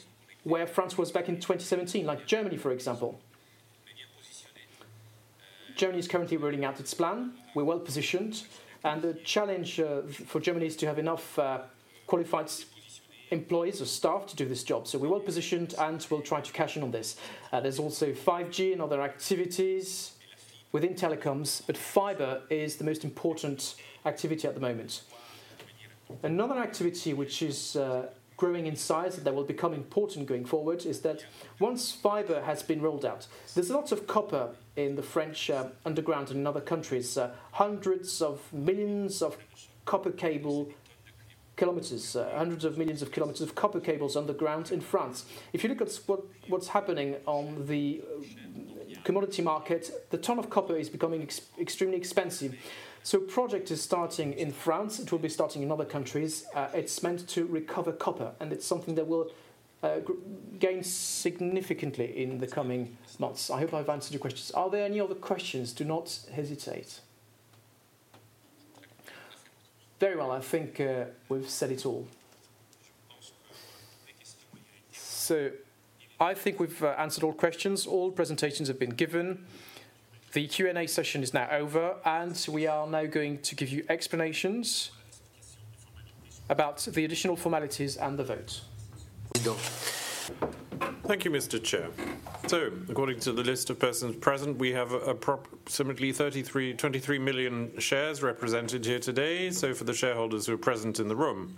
where France was back in 2017, like Germany, for example. Germany is currently rolling out its plan. We're well-positioned, and the challenge for Germany is to have enough qualified employees or staff to do this job. So we're well-positioned, and we'll try to cash in on this. There's also 5G and other activities within telecoms, but fiber is the most important activity at the moment. Another activity which is growing in size, that will become important going forward, is that once fiber has been rolled out, there's a lot of copper in the French underground and in other countries. Hundreds of millions of copper cable kilometers, hundreds of millions of kilometers of copper cables underground in France. If you look at what’s happening on the commodity market, the ton of copper is becoming extremely expensive. So a project is starting in France, it will be starting in other countries. It’s meant to recover copper, and it’s something that will gain significantly in the coming months. I hope I’ve answered your questions. Are there any other questions? Do not hesitate. Very well. I think we’ve said it all. So I think we’ve answered all questions. All presentations have been given. The Q&A session is now over, and we are now going to give you explanations about the additional formalities and the votes. We go. Thank you, Mr. Chair. According to the list of persons present, we have approximately 33.23 million shares represented here today. For the shareholders who are present in the room,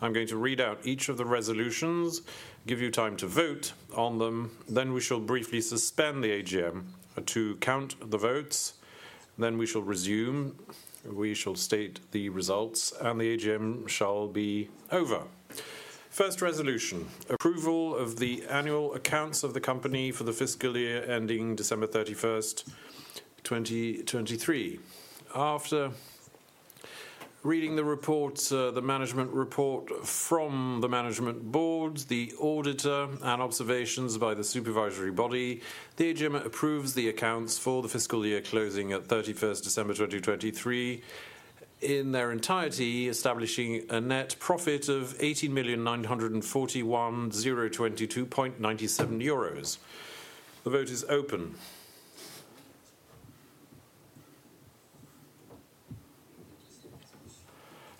I'm going to read out each of the resolutions, give you time to vote on them, then we shall briefly suspend the AGM to count the votes. Then we shall resume, we shall state the results, and the AGM shall be over. First resolution: Approval of the annual accounts of the company for the fiscal year ending December 31, 2023. After reading the report, the management report from the Management Board, the auditor, and observations by the Supervisory Board, the AGM approves the accounts for the fiscal year closing at December 31st, 2023 in their entirety, establishing a net profit of 18,941,022.97 euros. The vote is open.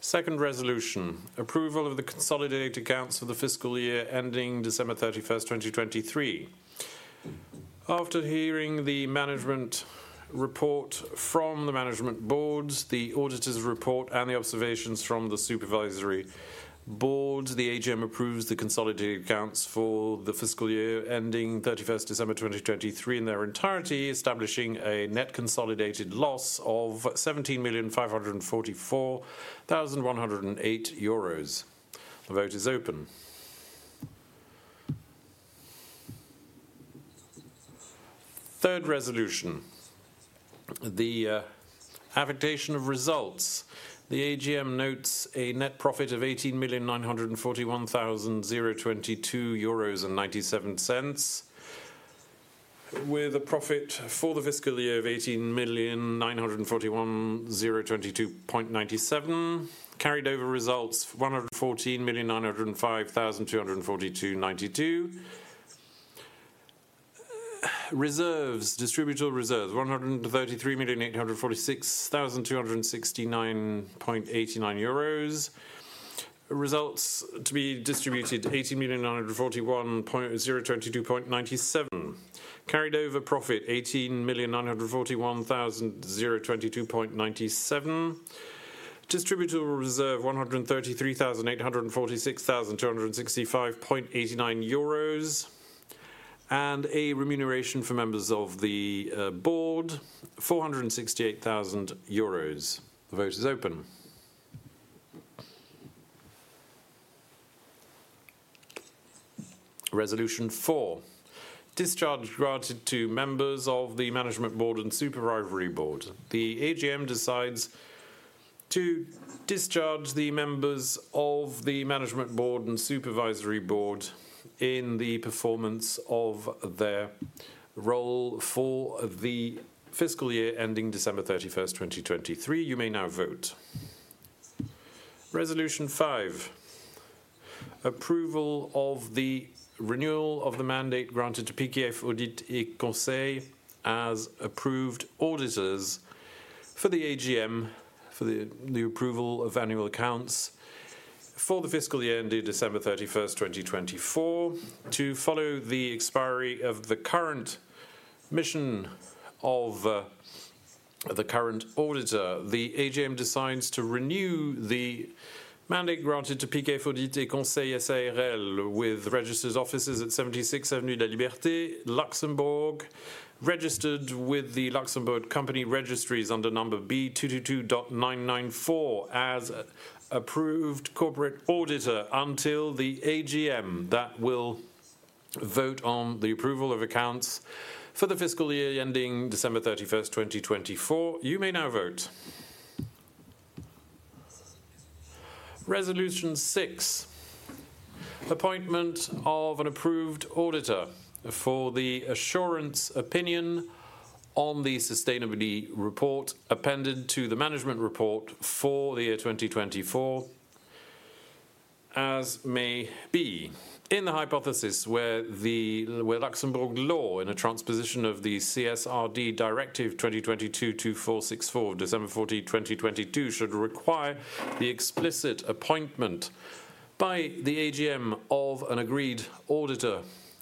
Second resolution: Approval of the consolidated accounts for the fiscal year ending December 31, 2023. After hearing the management report from the Management Board, the auditor's report, and the observations from the Supervisory Board, the AGM approves the consolidated accounts for the fiscal year ending December 31, 2023, in their entirety, establishing a net consolidated loss of 17,544,108 euros. The vote is open. Third resolution: The allocation of results. The AGM notes a net profit of 18,941,022.97 euros, with a profit for the fiscal year of 18,941,022.97. Carried over results, 114,905,242.92. Reserves, distributable reserves, 133,846,269.89 euros. Results to be distributed, 18,941,022.97. Carried over profit, 18,941,022.97. Distributable reserve, 979,265.89 euros, and a remuneration for members of the board, 468,000 euros. The vote is open. Resolution 4: Discharge granted to members of the Management Board and Supervisory Board. The AGM decides to discharge the members of the Management Board and Supervisory Board in the performance of their role for the fiscal year ending December 31st, 2023. You may now vote... Resolution 5, approval of the renewal of the mandate granted to PKF Audit & Conseil S.à r.l. as approved auditors for the AGM, for the approval of annual accounts for the fiscal year ending December 31st, 2024. To follow the expiry of the current mission of the current auditor, the AGM decides to renew the mandate granted to PKF Audit & Conseil S.à r.l., with registered offices at 76 Avenue de la Liberté, Luxembourg, registered with the Luxembourg Company Registries under number B222.994, as approved corporate auditor until the AGM that will vote on the approval of accounts for the fiscal year ending December 31st, 2024. You may now vote. Resolution 6, appointment of an approved auditor for the assurance opinion on the sustainability report appended to the management report for the year 2024. As may be, in the hypothesis where Luxembourg law, in a transposition of the CSRD Directive 2022/2464, December 14th, 2022, should require the explicit appointment by the AGM of an agreed auditor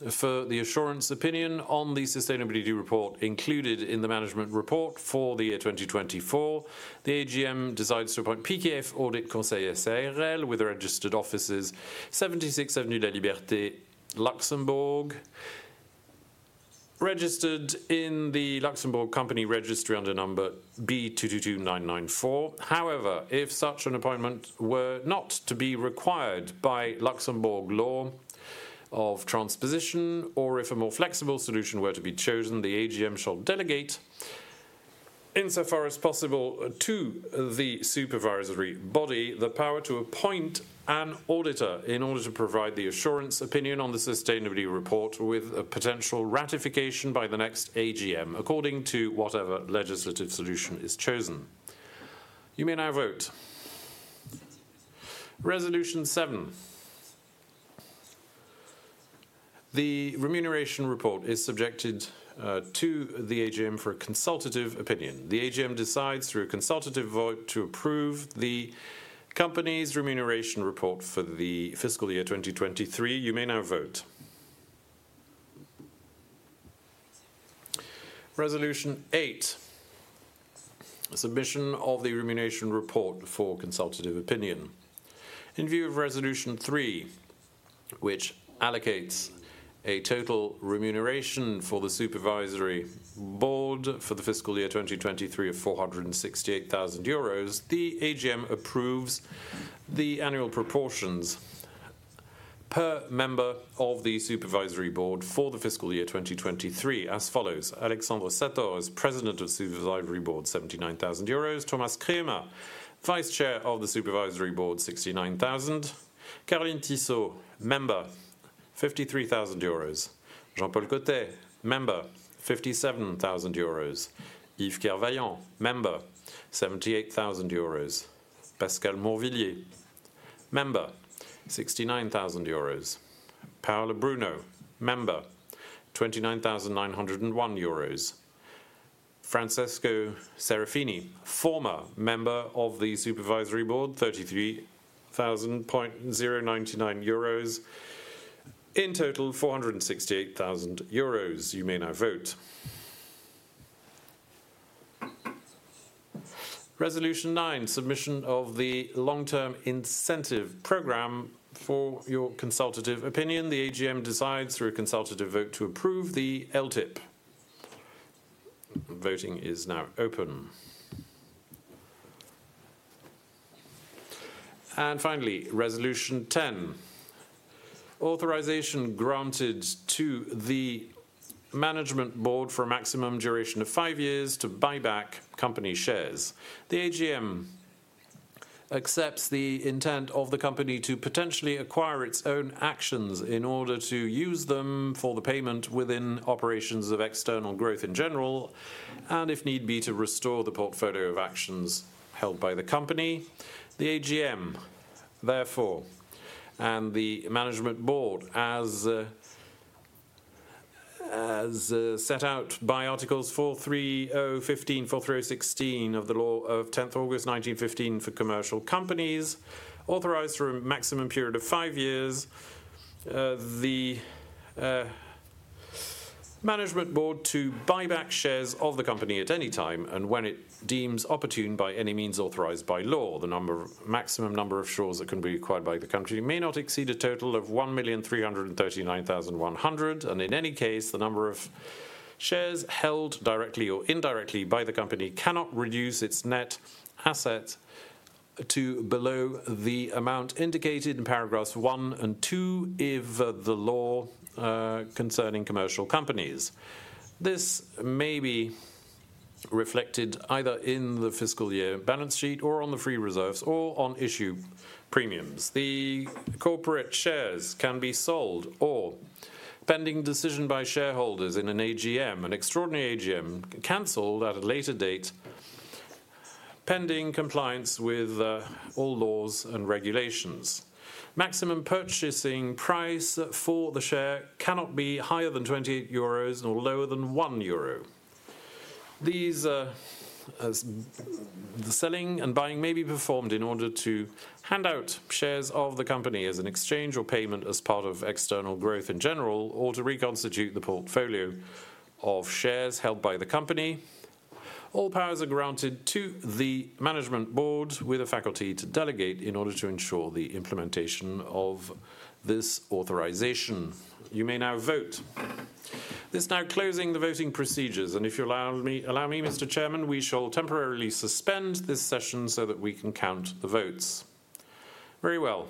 for the assurance opinion on the sustainability report included in the management report for the year 2024. The AGM decides to appoint PKF Audit & Conseil S.à r.l., with registered offices 76 Avenue de la Liberté, Luxembourg, registered in the Luxembourg Company Registry under number B222994. However, if such an appointment were not to be required by Luxembourg law of transposition, or if a more flexible solution were to be chosen, the AGM shall delegate, insofar as possible, to the supervisory body, the power to appoint an auditor in order to provide the assurance opinion on the sustainability report, with a potential ratification by the next AGM, according to whatever legislative solution is chosen. You may now vote. Resolution seven, the remuneration report is subjected to the AGM for a consultative opinion. The AGM decides, through a consultative vote, to approve the company's remuneration report for the fiscal year 2023. You may now vote. Resolution eight, submission of the remuneration report for consultative opinion. In view of resolution 3, which allocates a total remuneration for the Supervisory Board for the fiscal year 2023 of 468,000 euros, the AGM approves the annual proportions per member of the Supervisory Board for the fiscal year 2023 as follows: Alexandre Sator as President of Supervisory Board, 79,000 euros. Thomas Kremer, Vice Chair of the Supervisory Board, 69,000. Caroline Tissot, member, 53,000 euros. Jean-Paul Cottet, member, 57,000 euros. Yves Kerveillant, member, 78,000 euros. Pascal Morvillier, member, 69,000 euros. Paola Bruno, member, 29,901 euros. Francesco Serafini, former member of the supervisory board, 33,000.099 euros. In total, 468,000 euros. You may now vote. Resolution 9, submission of the long-term incentive program for your consultative opinion. The AGM decides, through a consultative vote, to approve the LTIP. Voting is now open. Finally, resolution 10, authorization granted to the Management Board for a maximum duration of five years to buy back company shares. The AGM accepts the intent of the company to potentially acquire its own actions in order to use them for the payment within operations of external growth in general, and if need be, to restore the portfolio of actions held by the company. The AGM, therefore, and the Management Board, as, as, set out by Articles 430-15, 430-16 of the law of 10th August, 1915, for commercial companies, authorized for a maximum period of five years, the, Management Board to buy back shares of the company at any time, and when it deems opportune by any means authorized by law. The number of... Maximum number of shares that can be acquired by the company may not exceed a total of 1,339,100, and in any case, the number of shares held directly or indirectly by the company cannot reduce its net asset to below the amount indicated in paragraphs one and two of the law concerning commercial companies. This may be reflected either in the fiscal year balance sheet, or on the free reserves, or on issue premiums. The corporate shares can be sold pending decision by shareholders in an AGM, an extraordinary AGM, canceled at a later date, pending compliance with all laws and regulations. Maximum purchasing price for the share cannot be higher than 28 euros nor lower than 1 euro. These, as the selling and buying may be performed in order to hand out shares of the company as an exchange or payment as part of external growth in general, or to reconstitute the portfolio of shares held by the company. All powers are granted to the Management Board with a faculty to delegate in order to ensure the implementation of this authorization. You may now vote. This now closing the voting procedures, and if you allow me, allow me, Mr. Chairman, we shall temporarily suspend this session so that we can count the votes. Very well. ...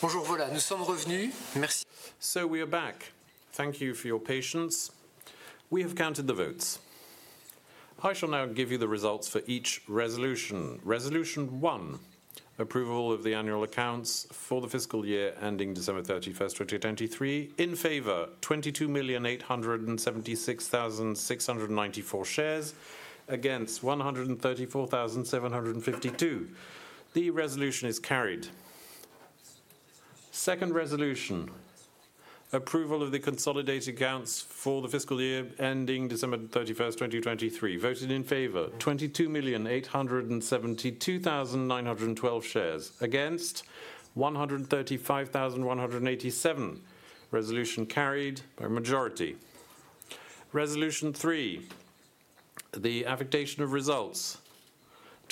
Bonjour, voilà, nous sommes revenus. Merci. So we are back. Thank you for your patience. We have counted the votes. I shall now give you the results for each resolution. Resolution one: approval of the annual accounts for the fiscal year ending December 31st, 2023. In favor: 22,876,694 shares. Against: 134,752. The resolution is carried. Second resolution: approval of the consolidated accounts for the fiscal year ending December 31st, 2023. Voted in favor: 22,872,912 shares. Against: 135,187. Resolution carried by a majority. Resolution three, the affectation of results.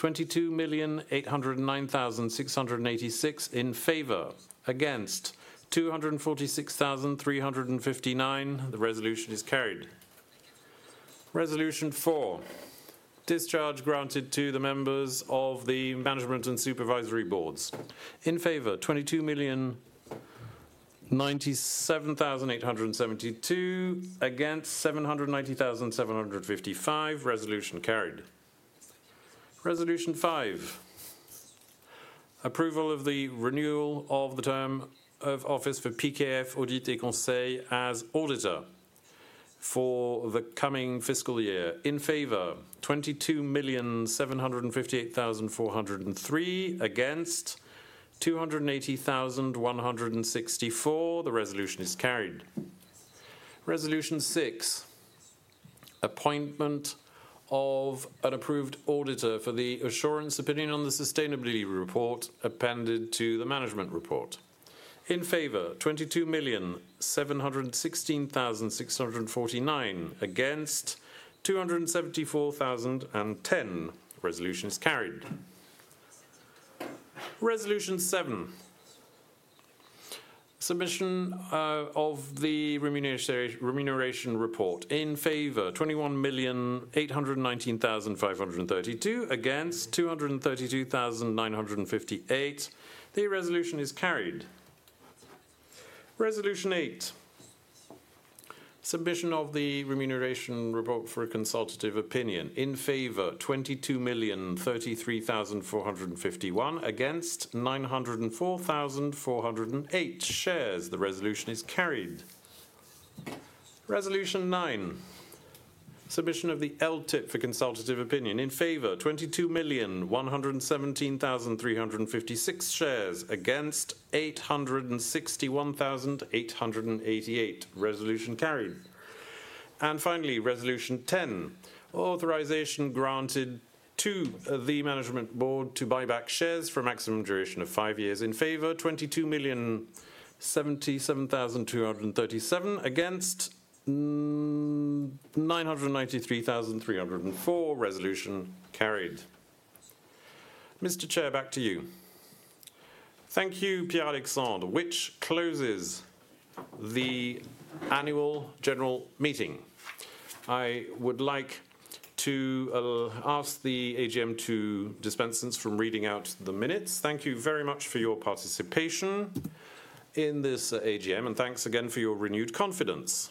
22,809,686 in favor, against 246,359. The resolution is carried. Resolution four, discharge granted to the members of the management and supervisory boards. In favor, 22,097,872. Against, 790,755. Resolution carried. Resolution five, approval of the renewal of the term of office for PKF Audit & Conseil as auditor for the coming fiscal year. In favor, 22,758,403. Against, 280,164. The resolution is carried. Resolution six, appointment of an approved auditor for the assurance opinion on the sustainability report appended to the management report. In favor, 22,716,649. Against, 274,010. Resolution is carried. Resolution seven, submission of the remuneration report. In favor, 21,819,532; against, 232,958. The resolution is carried. Resolution eight, submission of the remuneration report for a consultative opinion. In favor, 22,033,451; against, 904,408 shares. The resolution is carried. Resolution nine, submission of the LTIP for consultative opinion. In favor, 22,117,356 shares; against, 861,888. Resolution carried. And finally, resolution ten, authorization granted to the Management Board to buy back shares for a maximum duration of five years. In favor, 22,077,237; against, nine hundred and ninety-three thousand, three hundred and four. Resolution carried. Mr. Chair, back to you. Thank you, Pierre-Alexandre, which closes the annual general meeting. I would like to ask the AGM to dispense us from reading out the minutes. Thank you very much for your participation in this AGM, and thanks again for your renewed confidence.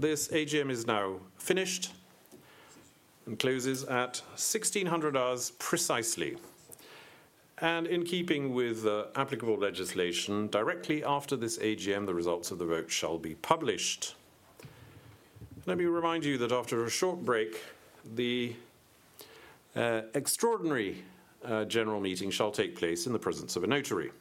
This AGM is now finished and closes at 4:00 P.M. precisely. In keeping with applicable legislation, directly after this AGM, the results of the vote shall be published. Let me remind you that after a short break, the extraordinary general meeting shall take place in the presence of a notary.